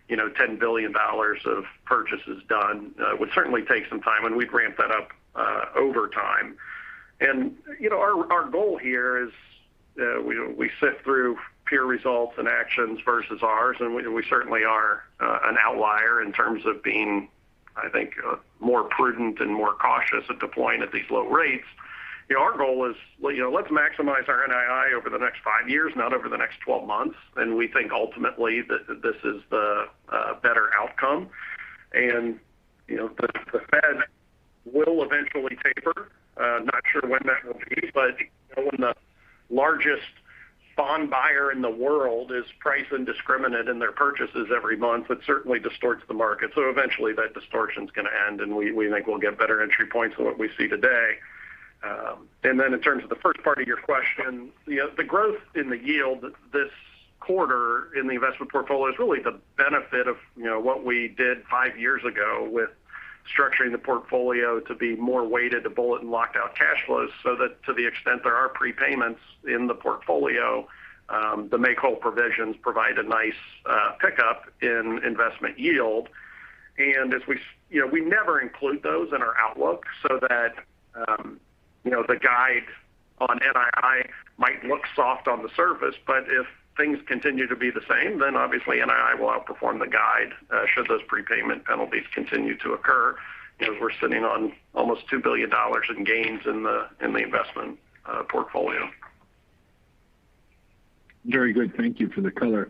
$10 billion of purchases done would certainly take some time, and we'd ramp that up over time. Our goal here is we sift through peer results and actions versus ours, and we certainly are an outlier in terms of being, I think, more prudent and more cautious at deploying at these low rates. Our goal is let's maximize our NII over the next five years, not over the next 12 months, and we think ultimately that this is the better outcome. The Fed will eventually taper. Not sure when that will be, when the largest bond buyer in the world is price indiscriminate in their purchases every month, it certainly distorts the market. Eventually that distortion's going to end, and we think we'll get better entry points than what we see today. Then in terms of the first part of your question, the growth in the yield this quarter in the investment portfolio is really the benefit of what we did five years ago with structuring the portfolio to be more weighted to bullet and lock out cash flows so that to the extent there are prepayments in the portfolio, the make-whole provisions provide a nice pickup in investment yield. We never include those in our outlook so that the guide on NII might look soft on the surface. If things continue to be the same, then obviously NII will outperform the guide should those prepayment penalties continue to occur, as we're sitting on almost $2 billion in gains in the investment portfolio. Very good. Thank you for the color.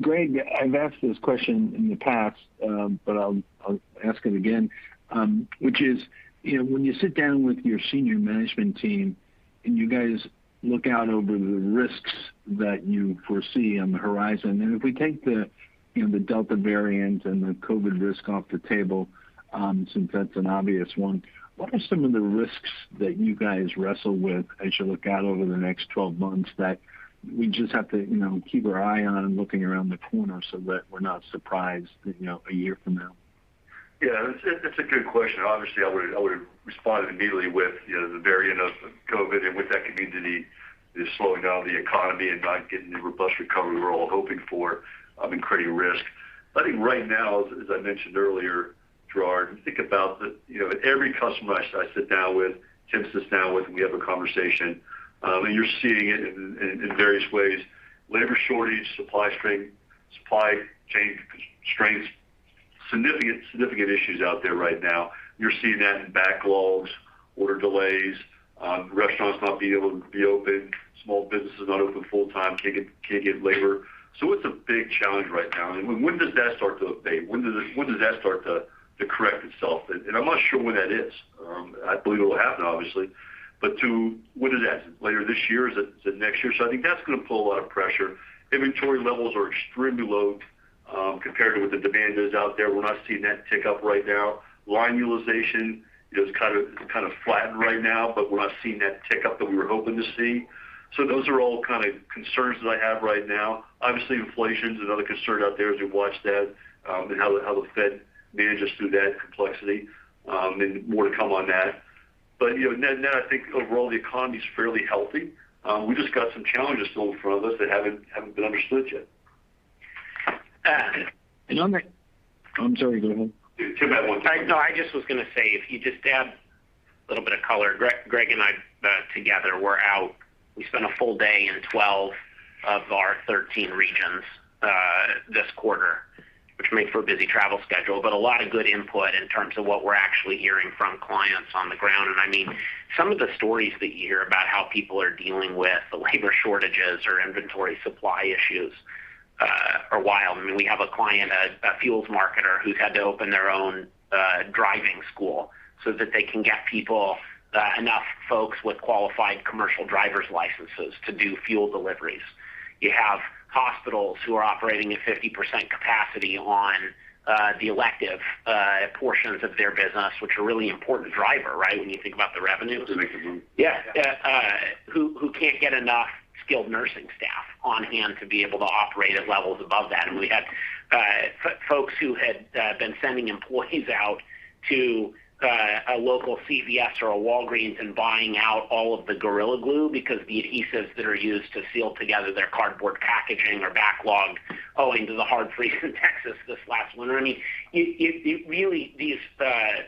Greg, I've asked this question in the past, but I'll ask it again which is, when you sit down with your senior management team and you guys look out over the risks that you foresee on the horizon. If we take the Delta variant and the COVID risk off the table, since that's an obvious one, what are some of the risks that you guys wrestle with as you look out over the next 12 months that we just have to keep our eye on looking around the corner so that we're not surprised a year from now? Yeah. It's a good question. Obviously, I would've responded immediately with the variant of COVID and with that, could lead to the slowing down of the economy and not getting the robust recovery we're all hoping for and creating risk. I think right now, as I mentioned earlier, Gerard, think about every customer I sit down with, Tim sits down with, and we have a conversation. You're seeing it in various ways, labor shortage, supply chain constraints. Significant issues out there right now. You're seeing that in backlogs, order delays, restaurants not being able to be open, small businesses not open full time, can't get labor. It's a big challenge right now. When does that start to abate? When does that start to correct itself? I'm not sure when that is. I believe it'll happen, obviously. Two, when is that? Later this year? Is it next year? I think that's going to pull a lot of pressure. Inventory levels are extremely low compared to what the demand is out there. We're not seeing that tick up right now. Line utilization is kind of flattened right now, but we're not seeing that tick up that we were hoping to see. Those are all kind of concerns that I have right now. Obviously, inflation's another concern out there as we watch that, and how the Fed manages through that complexity. More to come on that. I think overall, the economy's fairly healthy. We've just got some challenges still in front of us that haven't been understood yet. Oh, I'm sorry. Go ahead. Two bad ones. No, I just was going to say, if you just add a little bit of color, Greg and I together were out. We spent a full day in 12 of our 13 regions this quarter, which made for a busy travel schedule, but a lot of good input in terms of what we're actually hearing from clients on the ground. I mean, some of the stories that you hear about how people are dealing with the labor shortages or inventory supply issues are wild. I mean, we have a client, a fuels marketer, who's had to open their own driving school so that they can get enough folks with qualified commercial driver's licenses to do fuel deliveries. You have hospitals who are operating at 50% capacity on the elective portions of their business, which are a really important driver, right? When you think about the revenue. It makes a difference. Yeah. Who can't get enough skilled nursing staff on hand to be able to operate at levels above that. We had folks who had been sending employees out to a local CVS or a Walgreens and buying out all of the Gorilla Glue because the adhesives that are used to seal together their cardboard packaging are backlogged owing to the hard freeze in Texas this last winter. I mean,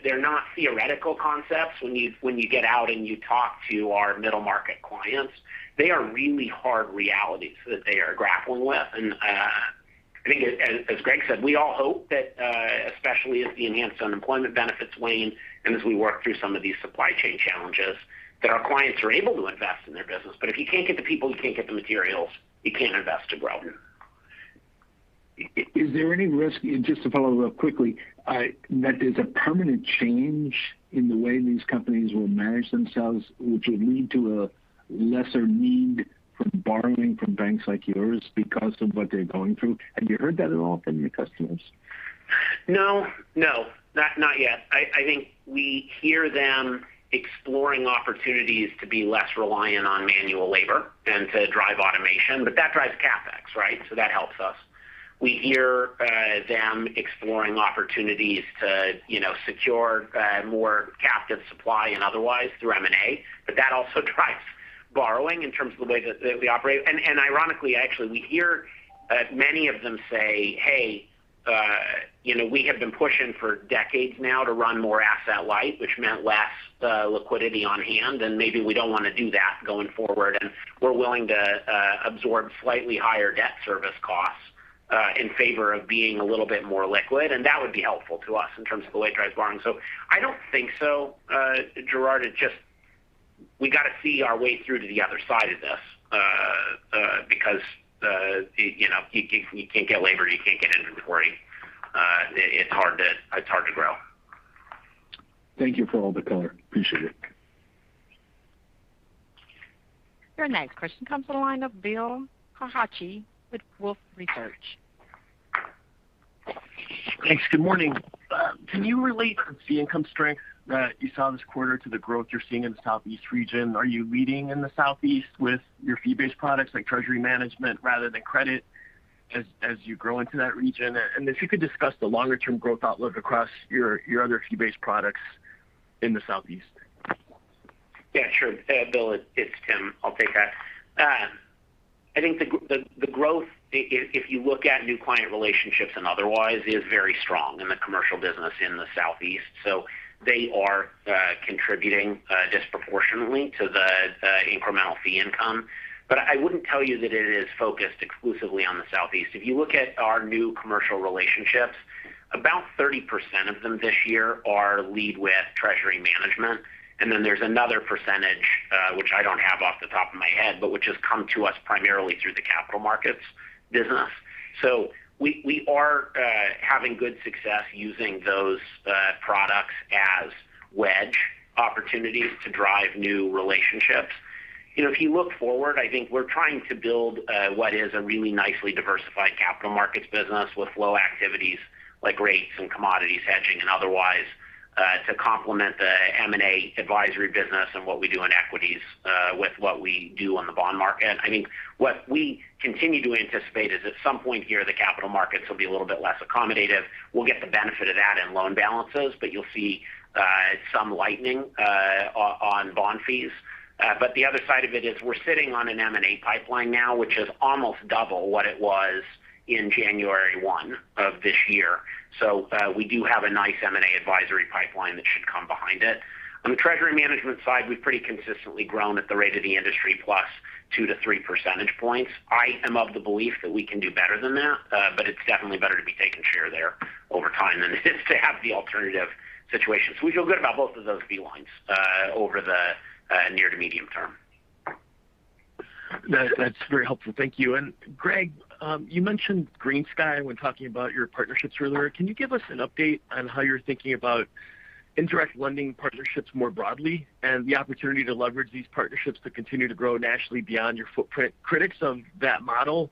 they're not theoretical concepts. When you get out and you talk to our middle-market clients, they are really hard realities that they are grappling with. I think as Greg said, we all hope that, especially as the enhanced unemployment benefits wane, and as we work through some of these supply chain challenges, that our clients are able to invest in their business. If you can't get the people, you can't get the materials, you can't invest to grow. Is there any risk, just to follow up quickly, that there's a permanent change in the way these companies will manage themselves, which would lead to a lesser need for borrowing from banks like yours because of what they're going through? Have you heard that at all from your customers? No. Not yet. I think we hear them exploring opportunities to be less reliant on manual labor and to drive automation, but that drives CapEx, right? That helps us. We hear them exploring opportunities to secure more captive supply and otherwise through M&A, but that also drives borrowing in terms of the way that we operate. Ironically, actually, we hear many of them say, "Hey, we have been pushing for decades now to run more asset light," which meant less liquidity on hand. Maybe we don't want to do that going forward. We're willing to absorb slightly higher debt service costs in favor of being a little bit more liquid. That would be helpful to us in terms of the way it drives borrowing. I don't think so, Gerard. It's just we got to see our way through to the other side of this because if you can't get labor, you can't get inventory. It's hard to grow. Thank you for all the color. Appreciate it. Your next question comes from the line of Bill Carcache with Wolfe Research. Thanks. Good morning. Can you relate the income strength that you saw this quarter to the growth you're seeing in the Southeast region? Are you leading in the Southeast with your fee-based products like treasury management rather than credit as you grow into that region? If you could discuss the longer-term growth outlook across your other fee-based products in the Southeast. Sure. Bill, it's Tim. I'll take that. I think the growth, if you look at new client relationships and otherwise, is very strong in the commercial business in the Southeast. They are contributing disproportionately to the incremental fee income. I wouldn't tell you that it is focused exclusively on the Southeast. If you look at our new commercial relationships, about 30% of them this year are lead with treasury management. Then there's another percentage, which I don't have off the top of my head, but which has come to us primarily through the capital markets business. We are having good success using those products as wedge opportunities to drive new relationships. If you look forward, I think we're trying to build what is a really nicely diversified capital markets business with flow activities like rates and commodities hedging and otherwise to complement the M&A advisory business and what we do in equities with what we do on the bond market. I mean, what we continue to anticipate is at some point here, the capital markets will be a little bit less accommodative. We'll get the benefit of that in loan balances, but you'll see some lightening on bond fees. The other side of it is we're sitting on an M&A pipeline now, which is almost double what it was in January 1 of this year. We do have a nice M&A advisory pipeline that should come behind it. On the treasury management side, we've pretty consistently grown at the rate of the industry plus 2-3 percentage points. I am of the belief that we can do better than that, but it's definitely better to be taking share there over time than it is to have the alternative situation. We feel good about both of those fee lines over the near to medium term. That's very helpful. Thank you. Greg, you mentioned GreenSky when talking about your partnerships earlier. Can you give us an update on how you're thinking about indirect lending partnerships more broadly, and the opportunity to leverage these partnerships to continue to grow nationally beyond your footprint? Critics of that model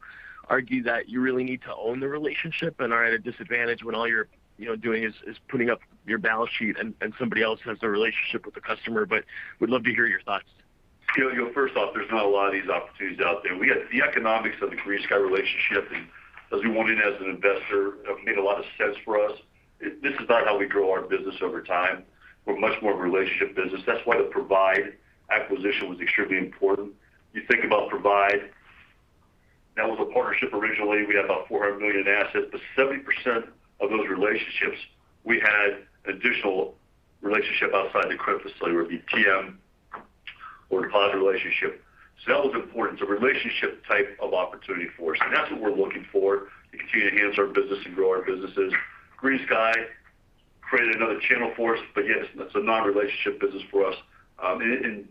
argue that you really need to own the relationship and are at a disadvantage when all you're doing is putting up your balance sheet, and somebody else has the relationship with the customer. We'd love to hear your thoughts. First off, there's not a lot of these opportunities out there. We had the economics of the GreenSky relationship, and as we wanted as an investor, made a lot of sense for us. This is not how we grow our business over time. We're much more of a relationship business. That's why the Provide acquisition was extremely important. You think about Provide, that was a partnership originally. We had about $400 million in assets, but 70% of those relationships, we had additional relationship outside the credit facility, whether it be TM or deposit relationship. That was important. It's a relationship type of opportunity for us, and that's what we're looking for to continue to enhance our business and grow our businesses. GreenSky created another channel for us. Yes, that's a non-relationship business for us.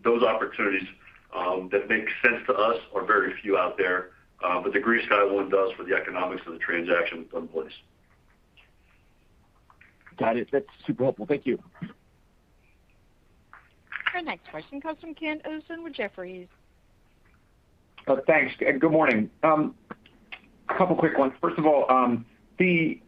Those opportunities that make sense to us are very few out there. The GreenSky one does for the economics of the transaction that's done place. Got it. That's super helpful. Thank you. Our next question comes from Ken Usdin with Jefferies. Thanks. Good morning. Couple quick ones. First of all, the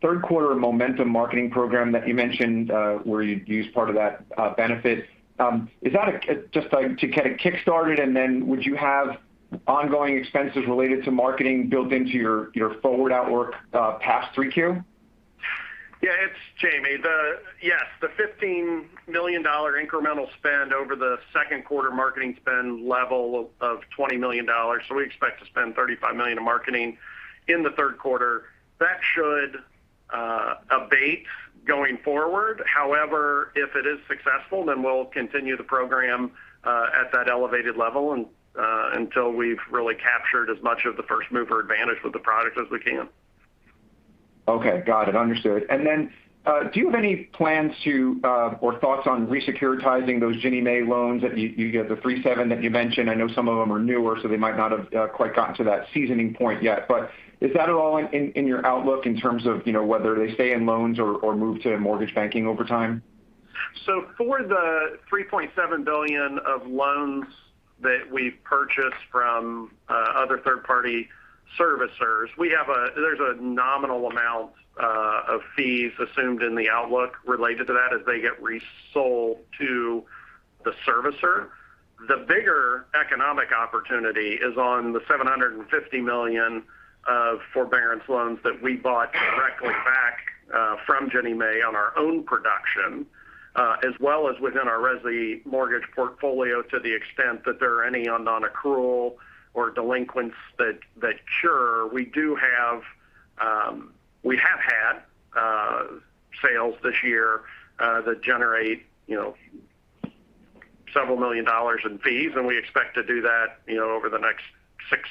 third quarter Momentum marketing program that you mentioned where you'd use part of that benefit, is that just to get it kick-started? Would you have ongoing expenses related to marketing built into your forward outlook past 3Q? Yeah, it's Jamie. Yes, the $15 million incremental spend over the second quarter marketing spend level of $20 million. We expect to spend $35 million in marketing in the third quarter. That should abate going forward. However, if it is successful, then we'll continue the program at that elevated level until we've really captured as much of the first-mover advantage with the product as we can. Okay. Got it. Understood. Do you have any plans to or thoughts on re-securitizing those Ginnie Mae loans that you get, the three seven that you mentioned? I know some of them are newer, so they might not have quite gotten to that seasoning point yet. Is that at all in your outlook in terms of whether they stay in loans or move to mortgage banking over time? For the $3.7 billion of loans that we've purchased from other third-party servicers, there's a nominal amount of fees assumed in the outlook related to that as they get resold to the servicer. The bigger economic opportunity is on the $750 million of forbearance loans that we bought directly back from Ginnie Mae on our own production, as well as within our resi mortgage portfolio to the extent that there are any on non-accrual or delinquents that cure. We have had sales this year that generate several million dollars in fees, and we expect to do that over the next six,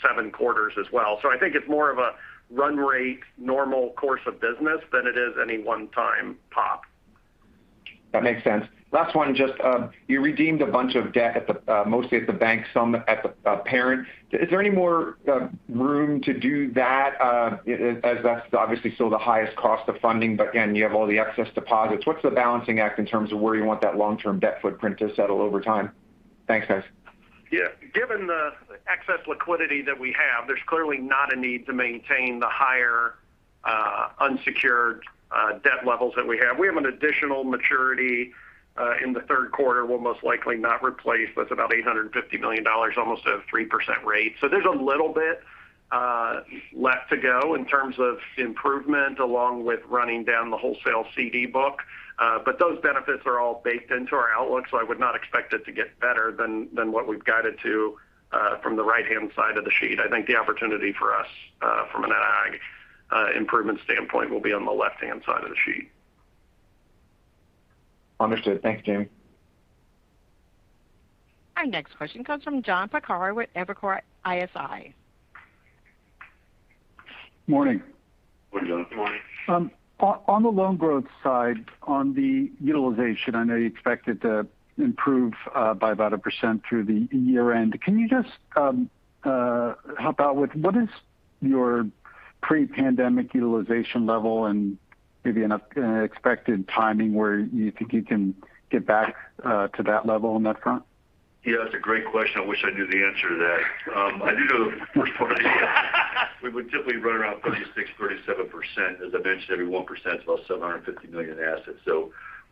seven quarters as well. I think it's more of a run rate normal course of business than it is any one-time pop. That makes sense. Last one. You redeemed a bunch of debt mostly at the bank, some at the parent. Is there any more room to do that, as that's obviously still the highest cost of funding, but again, you have all the excess deposits. What's the balancing act in terms of where you want that long-term debt footprint to settle over time? Thanks, guys. Yeah. Given the excess liquidity that we have, there's clearly not a need to maintain the higher unsecured debt levels that we have. We have an additional maturity in the third quarter we'll most likely not replace. That's about $850 million, almost at a 3% rate. There's a little bit left to go in terms of improvement, along with running down the wholesale CD book. Those benefits are all baked into our outlook. I would not expect it to get better than what we've guided to from the right-hand side of the sheet. I think the opportunity for us from an [AG] improvement standpoint will be on the left-hand side of the sheet. Understood. Thanks, Jamie. Our next question comes from John Pancari with Evercore ISI. Morning. Morning, John. On the loan growth side, on the utilization, I know you expect it to improve by about 1% through the year-end. Can you just help out with what is your pre-pandemic utilization level and maybe an expected timing where you think you can get back to that level on that front? Yeah, that's a great question. I wish I knew the answer to that. I do know the first part of the answer. We would typically run around 36%, 37%. As I mentioned, every 1% is about $750 million in assets.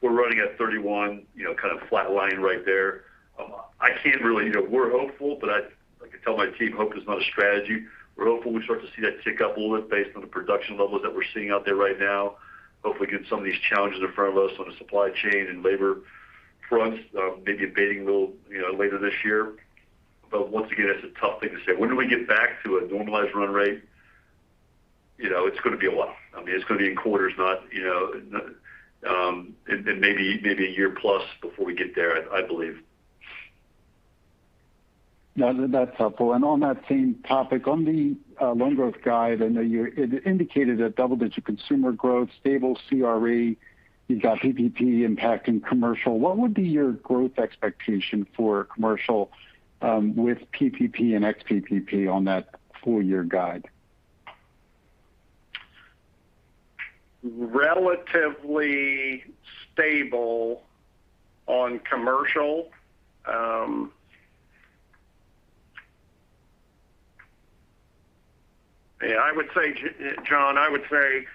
We're running at 31, kind of flat lining right there. We're hopeful, but I can tell my team, hope is not a strategy. We're hopeful we start to see that tick up a little based on the production levels that we're seeing out there right now. Hopefully, get some of these challenges in front of us on the supply chain and labor fronts maybe abating a little later this year. Once again, that's a tough thing to say. When do we get back to a normalized run rate? It's going to be a while. It's going to be in quarters, and maybe a year plus before we get there, I believe. No, that's helpful. On that same topic, on the loan growth guide, I know you indicated a double-digit consumer growth, stable CRE. You've got PPP impacting commercial. What would be your growth expectation for commercial with PPP and ex-PPP on that full-year guide? Relatively stable on commercial. John, I would say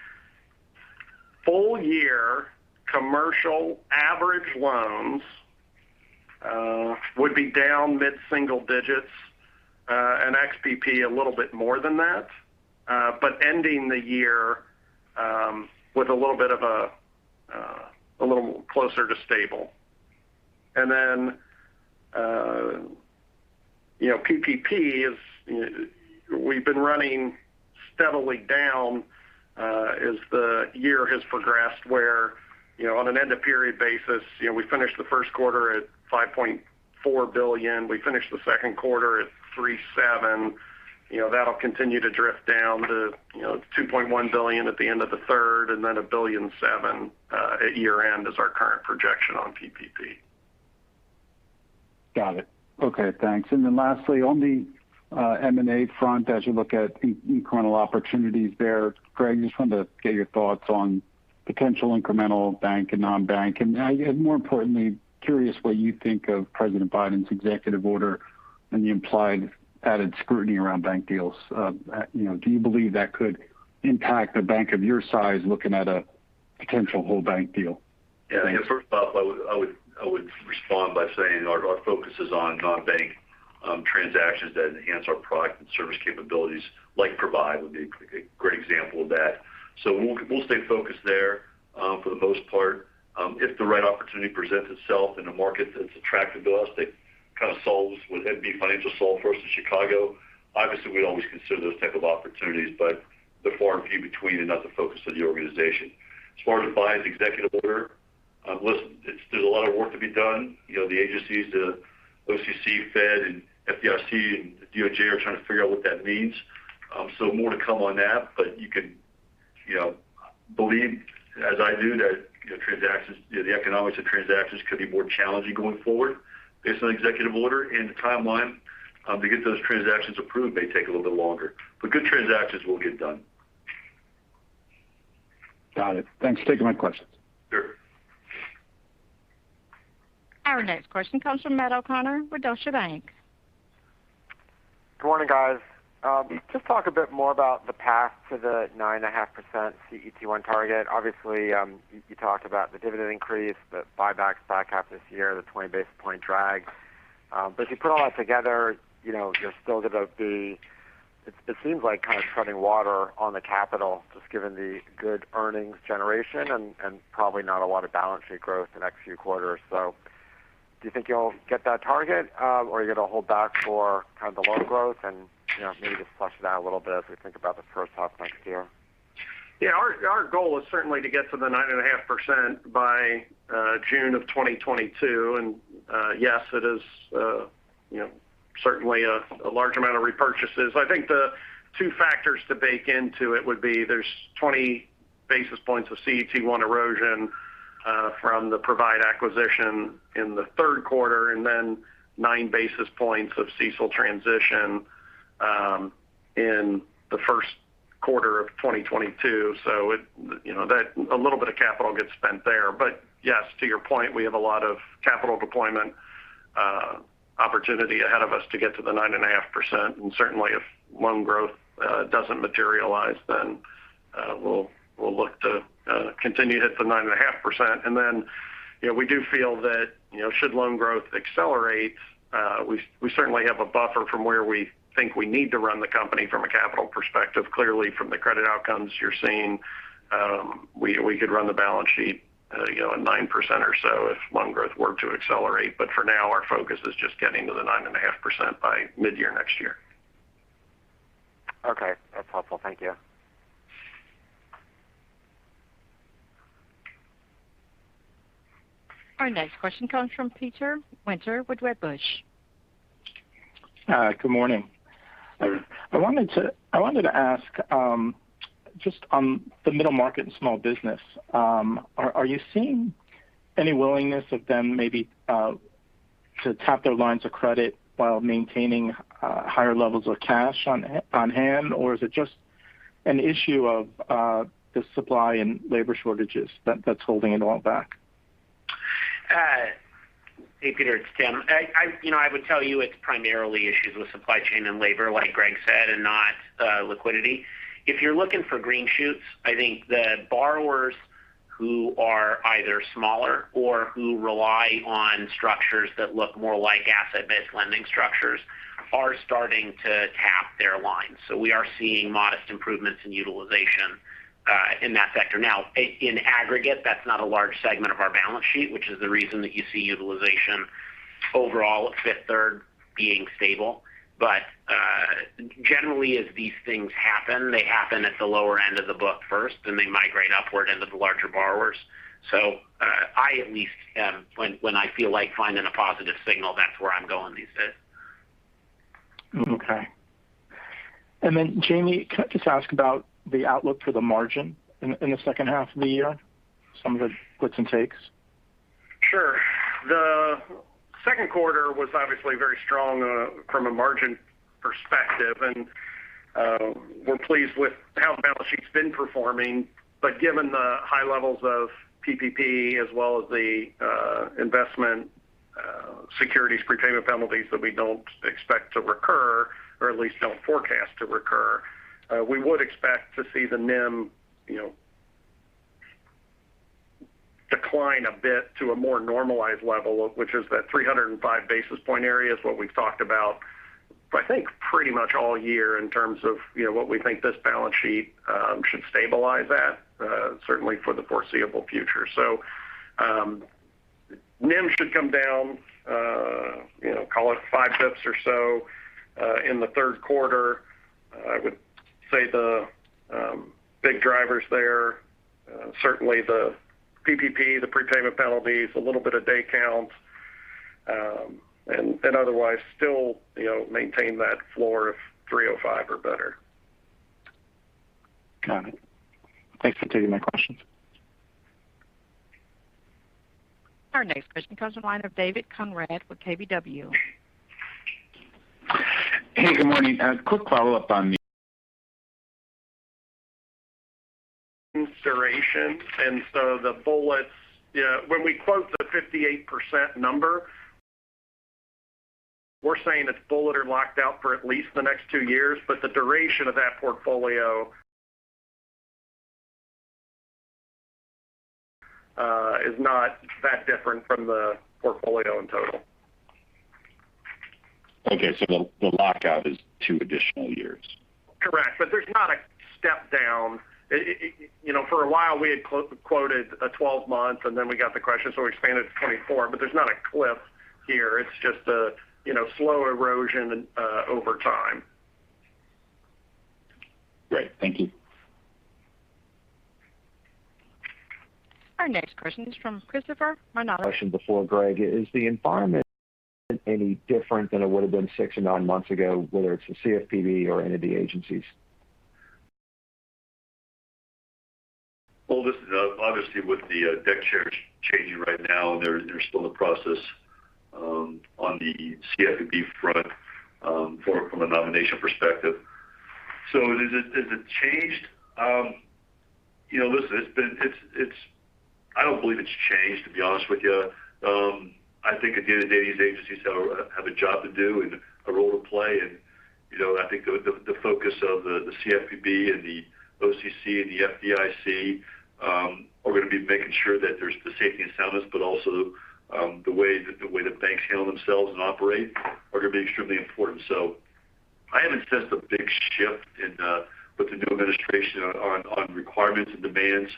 full-year commercial average loans would be down mid-single digits, ex-PPP, a little bit more than that. Ending the year with a little bit closer to stable. PPP, we've been running steadily down as the year has progressed, where on an end-of-period basis, we finished the first quarter at $5.4 billion. We finished the second quarter at $3.7 billion. That'll continue to drift down to $2.1 billion at the end of the third, then $1.7 billion at year-end is our current projection on PPP. Got it. Okay, thanks. Lastly, on the M&A front, as you look at incremental opportunities there, Greg, just wanted to get your thoughts on potential incremental bank and non-bank. More importantly, curious what you think of President Biden's executive order and the implied added scrutiny around bank deals. Do you believe that could impact a bank of your size looking at a potential whole bank deal? Yeah. First off, I would respond by saying our focus is on non-bank transactions that enhance our product and service capabilities, like Provide would be a great example of that. We'll stay focused there for the most part. If the right opportunity presents itself in a market that's attractive to us, that kind of solves what MB Financial solved for us in Chicago, obviously, we'd always consider those type of opportunities. They're far and few between and not the focus of the organization. As far as Biden's executive order, listen, there's a lot of work to be done. The agencies, the OCC, Fed, and FDIC and DOJ are trying to figure out what that means. More to come on that, but you can believe, as I do, that the economics of transactions could be more challenging going forward based on the executive order. The timeline to get those transactions approved may take a little bit longer. Good transactions will get done. Got it. Thanks. Taking my questions. Sure. Our next question comes from Matt O'Connor with Deutsche Bank. Good morning, guys. Can you just talk a bit more about the path to the 9.5% CET1 target? Obviously, you talked about the dividend increase, the buybacks back half of this year, the 20 basis point drag. If you put all that together, it seems like kind of treading water on the capital, just given the good earnings generation and probably not a lot of balance sheet growth the next few quarters. Do you think you'll get that target? Or are you going to hold back for kind of the loan growth and maybe just flush it out a little bit as we think about the first half next year? Yeah, our goal is certainly to get to the 9.5% by June of 2022. Yes, it is certainly a large amount of repurchases. I think the two factors to bake into it would be there's 20 basis points of CET1 erosion from the Provide acquisition in the third quarter, and then nine basis points of CECL transition in the first quarter of 2022. A little bit of capital gets spent there. Yes, to your point, we have a lot of capital deployment opportunity ahead of us to get to the 9.5%. Certainly, if loan growth doesn't materialize, then we'll look to continue to hit the 9.5%. We do feel that should loan growth accelerate, we certainly have a buffer from where we think we need to run the company from a capital perspective. From the credit outcomes you're seeing, we could run the balance sheet at 9% or so if loan growth were to accelerate. For now, our focus is just getting to the 9.5% by mid-year next year. Okay. That's helpful. Thank you. Our next question comes from Peter Winter with Wedbush. Good morning. I wanted to ask just on the middle market and small business, are you seeing any willingness of them maybe to tap their lines of credit while maintaining higher levels of cash on hand? Is it just an issue of the supply and labor shortages that's holding it all back? Hey, Peter, it's Tim. I would tell you it's primarily issues with supply chain and labor, like Greg said, and not liquidity. If you're looking for green shoots, I think the borrowers who are either smaller or who rely on structures that look more like asset-based lending structures are starting to tap their lines. We are seeing modest improvements in utilization in that sector. Now, in aggregate, that's not a large segment of our balance sheet, which is the reason that you see utilization overall at Fifth Third being stable. Generally, as these things happen, they happen at the lower end of the book first, then they migrate upward into the larger borrowers. I at least, when I feel like finding a positive signal, that's where I'm going these days. Okay. Jamie, could I just ask about the outlook for the margin in the second half of the year? Some of the gives and takes? Sure. The second quarter was obviously very strong from a margin perspective. We're pleased with how the balance sheet's been performing. Given the high levels of PPP as well as the investment securities prepayment penalties that we don't expect to recur, or at least don't forecast to recur, we would expect to see the NIM decline a bit to a more normalized level, which is that 305 basis point area, is what we've talked about, I think pretty much all year in terms of what we think this balance sheet should stabilize at. Certainly for the foreseeable future. NIM should come down, call it five pips or so in the third quarter. I would say the big drivers there, certainly the PPP, the prepayment penalties, a little bit of day count, and otherwise still maintain that floor of 305 or better. Got it. Thanks for taking my questions. Our next question comes from the line of David Konrad with KBW. Hey, good morning. A quick follow-up on. Consideration, when we quote the 58% number, we're saying it's bullet or locked out for at least the next two years, but the duration of that portfolio is not that different from the portfolio in total. Okay, the lockout is two additional years. Correct, there's not a step down. For a while, we had quoted a 12-month, and then we got the question, so we expanded to 24, but there's not a cliff here. It's just a slow erosion over time. Great. Thank you. Our next question is from Christopher Marinac. Question before, Greg, is the environment any different than it would've been six or nine months ago, whether it's the CFPB or any of the agencies? Listen, obviously with the deck chairs changing right now, they're still in the process on the CFPB front from a nomination perspective. Has it changed? Listen, I don't believe it's changed, to be honest with you. I think at the end of the day, these agencies have a job to do and a role to play. I think the focus of the CFPB and the OCC and the FDIC are going to be making sure that there's the safety and soundness, but also the way that the banks handle themselves and operate are going to be extremely important. I haven't sensed a big shift with the new administration on requirements and demands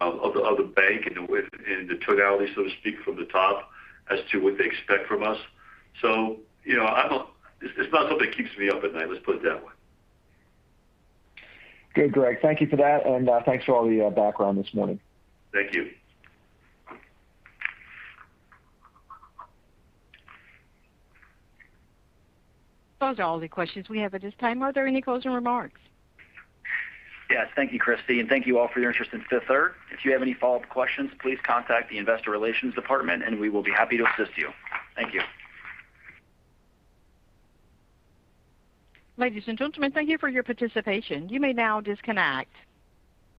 of the bank and the tonality, so to speak, from the top as to what they expect from us. It's not something that keeps me up at night, let's put it that way. Good, Greg. Thank you for that, and thanks for all the background this morning. Thank you. Those are all the questions we have at this time. Are there any closing remarks? Yes, thank you, Christie, and thank you all for your interest in Fifth Third. If you have any follow-up questions, please contact the Investor Relations department and we will be happy to assist you. Thank you. Ladies and gentlemen, thank you for your participation. You may now disconnect.